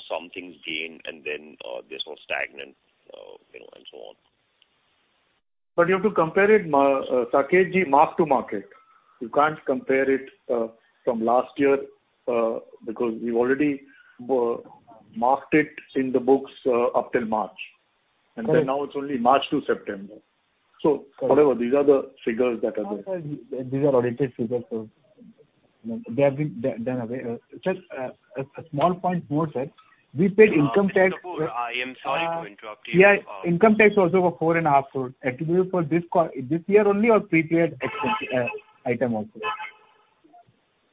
some things gain, and then they're sort of stagnant, and so on.
You have to compare it, Saket ji, mark-to-market. You can't compare it from last year because we've already marked it in the books up till March.
Correct.
Now it's only March to September.
Correct.
Whatever, these are the figures that are there.
These are audited figures, so they have been done away. Sir, a small point more, sir. We paid income tax.
Mr. Kapoor, I am sorry to interrupt you.
Yeah. Income tax also got 4.5 crores. Attributable for this year only or prepaid item also?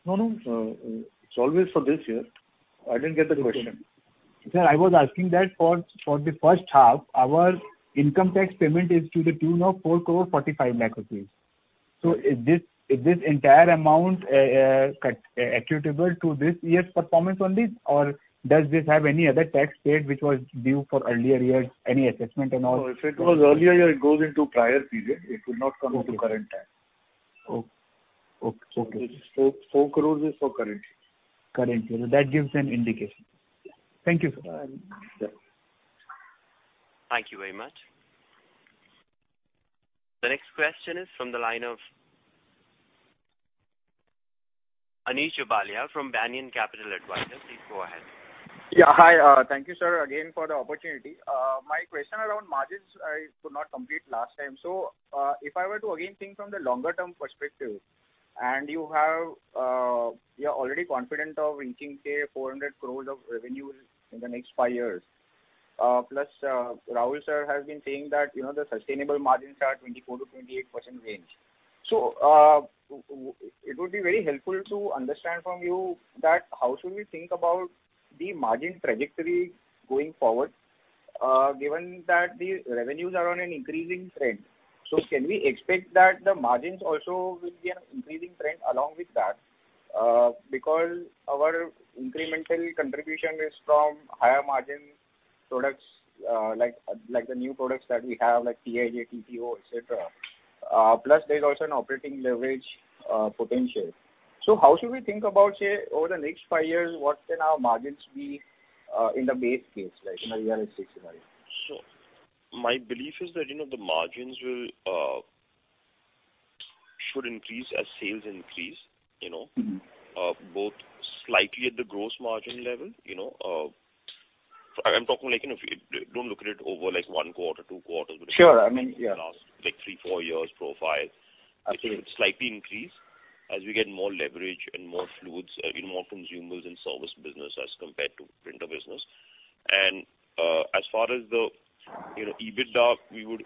No, no. It's always for this year. I didn't get the question.
Okay. Sir, I was asking that for the first half, our income tax payment is to the tune of 4.45 crore. Is this entire amount attributable to this year's performance only, or does this have any other tax paid which was due for earlier years, any assessment and all?
No, if it was earlier year, it goes into prior period. It would not come into current tax.
Okay.
INR 4 crores is for current year.
Current year. That gives an indication. Thank you, sir.
Yes.
Thank you very much. The next question is from the line of Anish Jobalia from Banyan Capital Advisors. Please go ahead.
Yeah. Hi. Thank you, sir, again, for the opportunity. My question around margins, I could not complete last time. If I were to again think from the longer-term perspective, and you are already confident of reaching, say, 400 crores of revenue in the next five years. Plus, Rahul sir has been saying that the sustainable margins are 24%-28% range. It would be very helpful to understand from you that how should we think about the margin trajectory going forward, given that the revenues are on an increasing trend. Can we expect that the margins also will be an increasing trend along with that? Because our incremental contribution is from higher margin products, like the new products that we have, like CIJ, TTO, et cetera. Plus there is also an operating leverage potential. How should we think about, say, over the next 5 years, what can our margins be in the base case, like in a realistic scenario?
My belief is that the margins should increase as sales increase. Both slightly at the gross margin level. Don't look at it over one quarter, two quarters.
Sure. I mean, yeah
If you look at the last three, four years, profile.
Absolutely.
It will slightly increase as we get more leverage and more fluids, more consumables in service business as compared to printer business. As far as the EBITDA,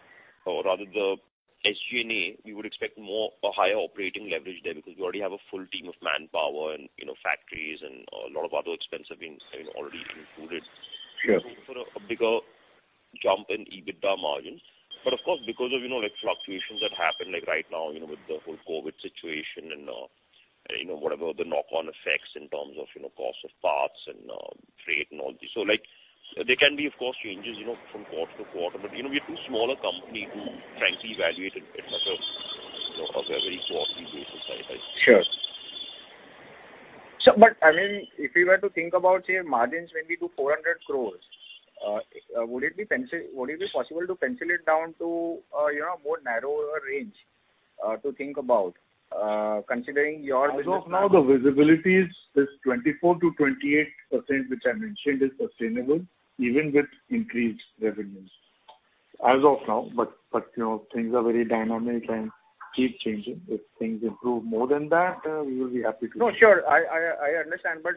or rather the SG&A, we would expect a higher operating leverage there because we already have a full team of manpower and factories and a lot of other expenses have been already included.
Sure.
For a bigger jump in EBITDA margins. Of course, because of fluctuations that happen right now with the whole COVID situation and whatever the knock-on effects in terms of cost of parts and freight and all this. There can be, of course, changes from quarter-to-quarter. We're too small a company to frankly evaluate in bit much of a very quarterly basis, I think.
Sure. I mean, if we were to think about your margins maybe to 400 crores, would it be possible to pencil it down to a narrower range to think about considering your business plan?
As of now, the visibility is this 24%-28%, which I mentioned is sustainable even with increased revenues. As of now, things are very dynamic and keep changing. If things improve more than that, we will be happy to.
Sure. I understand, but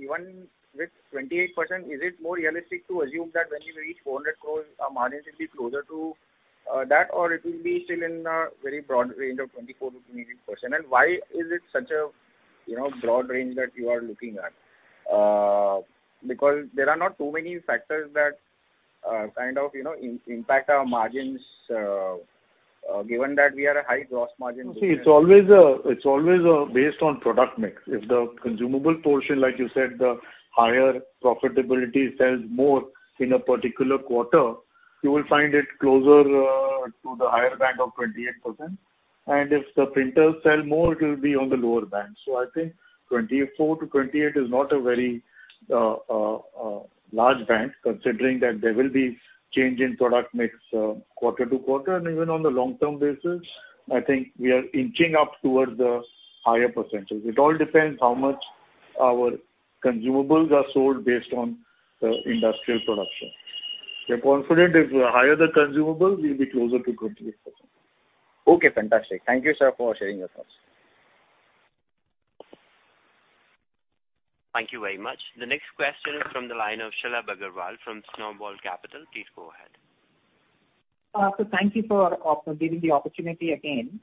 even with 28%, is it more realistic to assume that when we reach 400 crore, our margins will be closer to that, or it will be still in a very broad range of 24%-28%? Why is it such a broad range that you are looking at? There are not too many factors that kind of impact our margins, given that we are a high gross margin business.
It's always based on product mix. If the consumable portion, like you said, the higher profitability sells more in a particular quarter, you will find it closer to the higher band of 28%. If the printers sell more, it will be on the lower band. I think 24%-28% is not a very large band considering that there will be change in product mix quarter-to-quarter. Even on the long-term basis, I think we are inching up towards the higher percentage. It all depends how much our consumables are sold based on the industrial production. We're confident if the higher the consumable, we'll be closer to 28%.
Okay, fantastic. Thank you, sir, for sharing your thoughts.
Thank you very much. The next question is from the line of Shalabh Agarwal from Snowball Capital. Please go ahead.
Thank you for giving the opportunity again.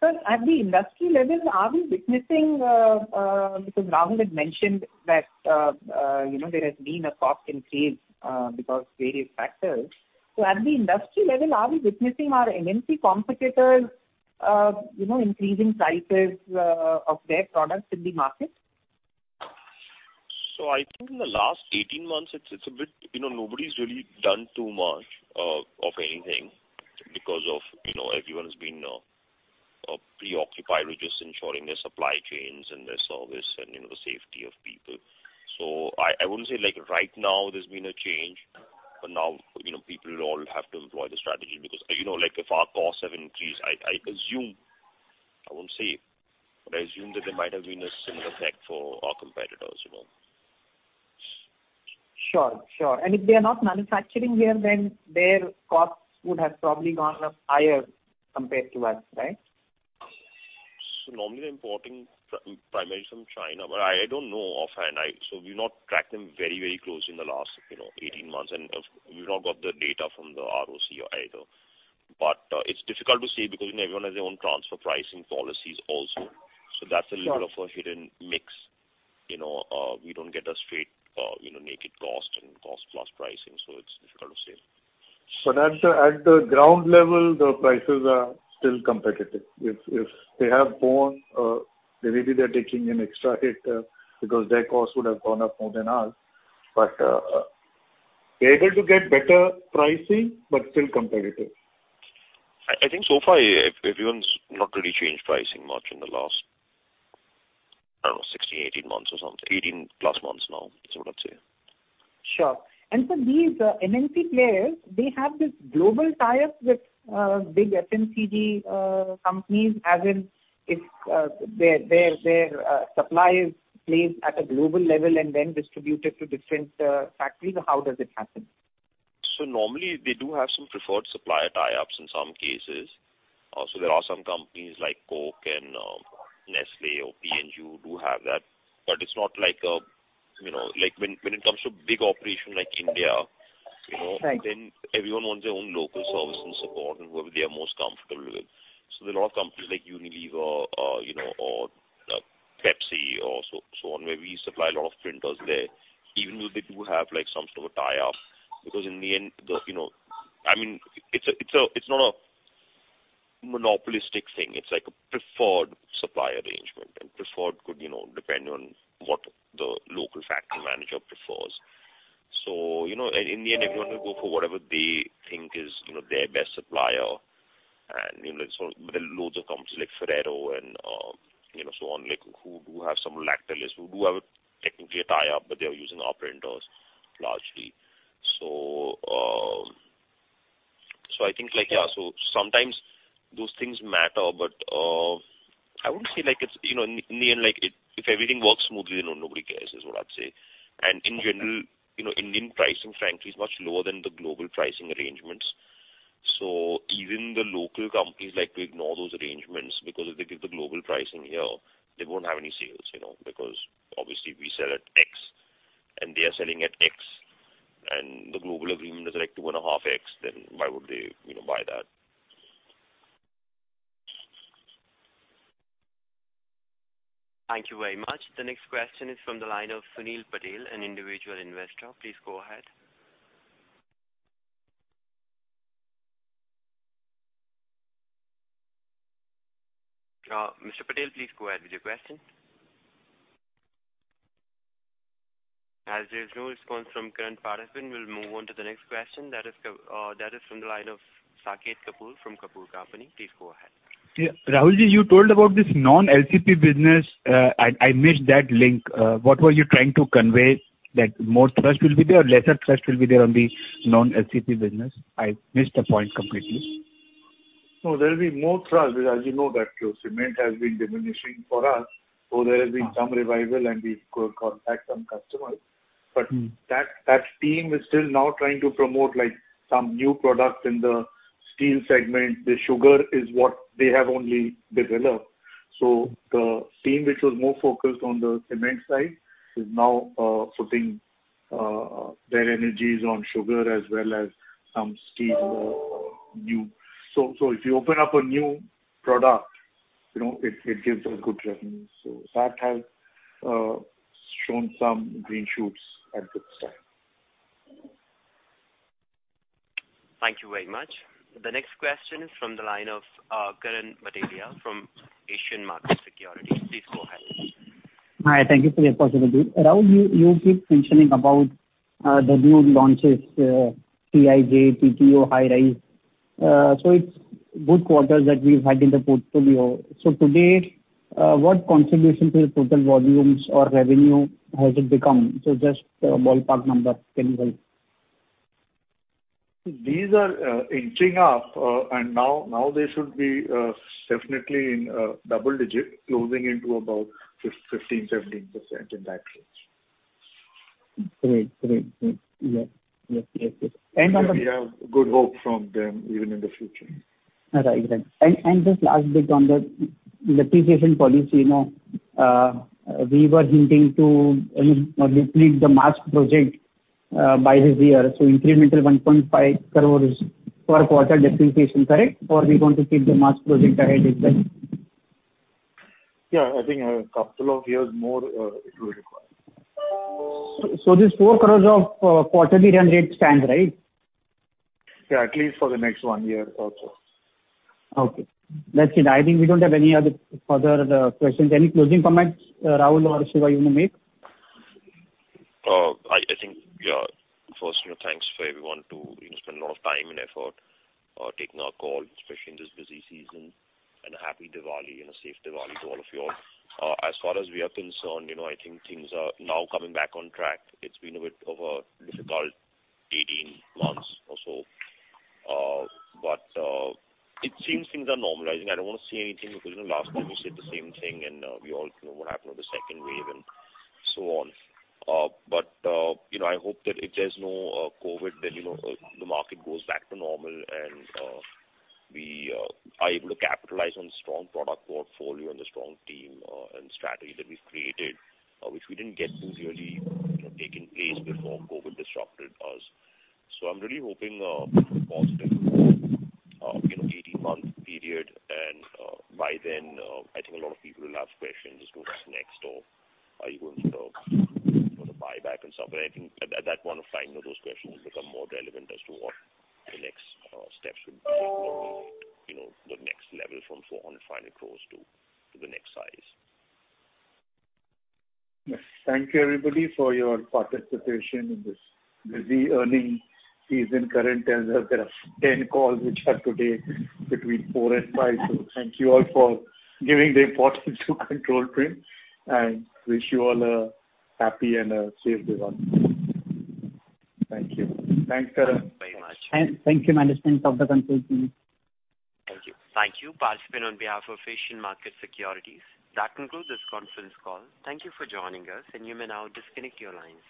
Sir, at the industry level, are we witnessing, because Rahul had mentioned that there has been a cost increase because various factors, at the industry level, are we witnessing our MNC competitors increasing prices of their products in the market?
I think in the last 18 months, nobody's really done too much of anything because of everyone has been preoccupied with just ensuring their supply chains and their service and the safety of people. I wouldn't say like right now there's been a change. Now, people will all have to employ the strategy because if our costs have increased, I assume, I won't say it, but I assume that there might have been a similar effect for our competitors.
Sure. If they are not manufacturing here, then their costs would have probably gone up higher compared to us, right?
Normally, they're importing primarily from China. I don't know offhand. We've not tracked them very close in the last 18 months, and we've not got the data from the ROC either. It's difficult to say because everyone has their own transfer pricing policies also.
Sure.
That's a little of a hidden mix. We don't get a straight naked cost and cost-plus pricing, so it's difficult to say.
At the ground level, the prices are still competitive. If they have gone, maybe they're taking an extra hit because their costs would have gone up more than ours. They're able to get better pricing, but still competitive.
I think so far everyone's not really changed pricing much in the last, I don't know, 16, 18 months or something. 18+ months now, is what I'd say.
Sure. These MNC players, they have this global tie-ups with big FMCG companies as in if their supply is placed at a global level and then distributed to different factories. How does it happen?
Normally they do have some preferred supplier tie-ups in some cases. There are some companies like Coke and Nestlé or P&G who do have that. It's not like when it comes to big operation like India-
Right
Everyone wants their own local service and support and whoever they are most comfortable with. There are a lot of companies like Unilever or Pepsi or so on, where we supply a lot of printers there, even though they do have some sort of a tie-up. In the end, I mean, it's not a monopolistic thing. It's like a preferred supplier arrangement, preferred could depend on what the local factory manager prefers. In the end, everyone will go for whatever they think is their best supplier. There are loads of companies like Ferrero and so on, who do have some Lactalis, who do have technically a tie-up, they are using our printers largely. I think sometimes those things matter, I wouldn't say it's In the end, if everything works smoothly, nobody cares, is what I'd say. In general, Indian pricing frankly, is much lower than the global pricing arrangements. Even the local companies like to ignore those arrangements, because if they give the global pricing here, they won't have any sales. Obviously we sell at X, and they are selling at X, and the global agreement is 2.5X, then why would they buy that?
Thank you very much. The next question is from the line of Sunil Patel, an Individual Investor. Please go ahead. Mr. Patel, please go ahead with your question. As there is no response from Patel, we'll move on to the next question. That is from the line of Saket Kapoor from Kapoor Company. Please go ahead.
Yeah. Rahul, you told about this non-LCP business. I missed that link. What were you trying to convey? That more trust will be there, or lesser trust will be there on the non-LCP business? I missed the point completely.
No, there'll be more trust, because as you know that cement has been diminishing for us, so there has been some revival, and we've got back some customers. That team is still now trying to promote some new products in the steel segment. The sugar is what they have only developed. The team which was more focused on the cement side is now putting their energies on sugar as well as some steel. If you open up a new product, it gives a good revenue. That has shown some green shoots at this time.
Thank you very much. The next question is from the line of Karan Bhatelia from Asian Markets Securities. Please go ahead.
Hi, thank you for your possibility. Rahul, you keep mentioning about the new launches, CIJ, TTO, Hi-Res. It's good quarters that we've had in the portfolio. To date, what contribution to the total volumes or revenue has it become? Just a ballpark number, can you help?
These are inching up, and now they should be definitely in double-digit, closing into about 15%-17% in that range.
Great. Yeah.
We have good hope from them even in the future.
Right. Just last bit on the depreciation policy. We were hinting to deplete the MaaS project by this year. Incremental 1.5 crores per quarter depreciation, correct? We're going to keep the MaaS project ahead as well?
Yeah, I think a couple of years more it will require.
This 4 crores of quarterly run rate stands, right?
Yeah, at least for the next one year also.
Okay. That's it. I think we don't have any other further questions. Any closing comments, Rahul or Shiva you want to make?
I think, yeah. First, thanks for everyone to spend a lot of time and effort taking our call, especially in this busy season. Happy Diwali, safe Diwali to all of you. As far as we are concerned, I think things are now coming back on track. It's been a bit of a difficult 18 months or so. It seems things are normalizing. I don't want to say anything because last time we said the same thing, and we all know what happened with the second wave and so on. I hope that if there's no COVID, then the market goes back to normal and we are able to capitalize on strong product portfolio and the strong team and strategy that we've created, which we didn't get to really take in place before COVID disrupted us. I'm really hoping for a positive 18-month period, by then I think a lot of people will have questions as to what's next or are you going to do a buyback and stuff? I think at that point of time, those questions will become more relevant as to what the next steps should be to move to the next level from 400 crore, INR 500 crore to the next size.
Yes. Thank you everybody for your participation in this busy earning season. Karan tells us there are 10 calls which are today between 4:00 and 5:00. Thank you all for giving the importance to Control Print, and wish you all a happy and a safe Diwali. Thank you. Thanks, Karan.
Thank you very much.
Thank you management of the Control Print.
Thank you.
Thank you.
Participant on behalf of Asian Market Securities. That concludes this conference call. Thank you for joining us, and you may now disconnect your lines.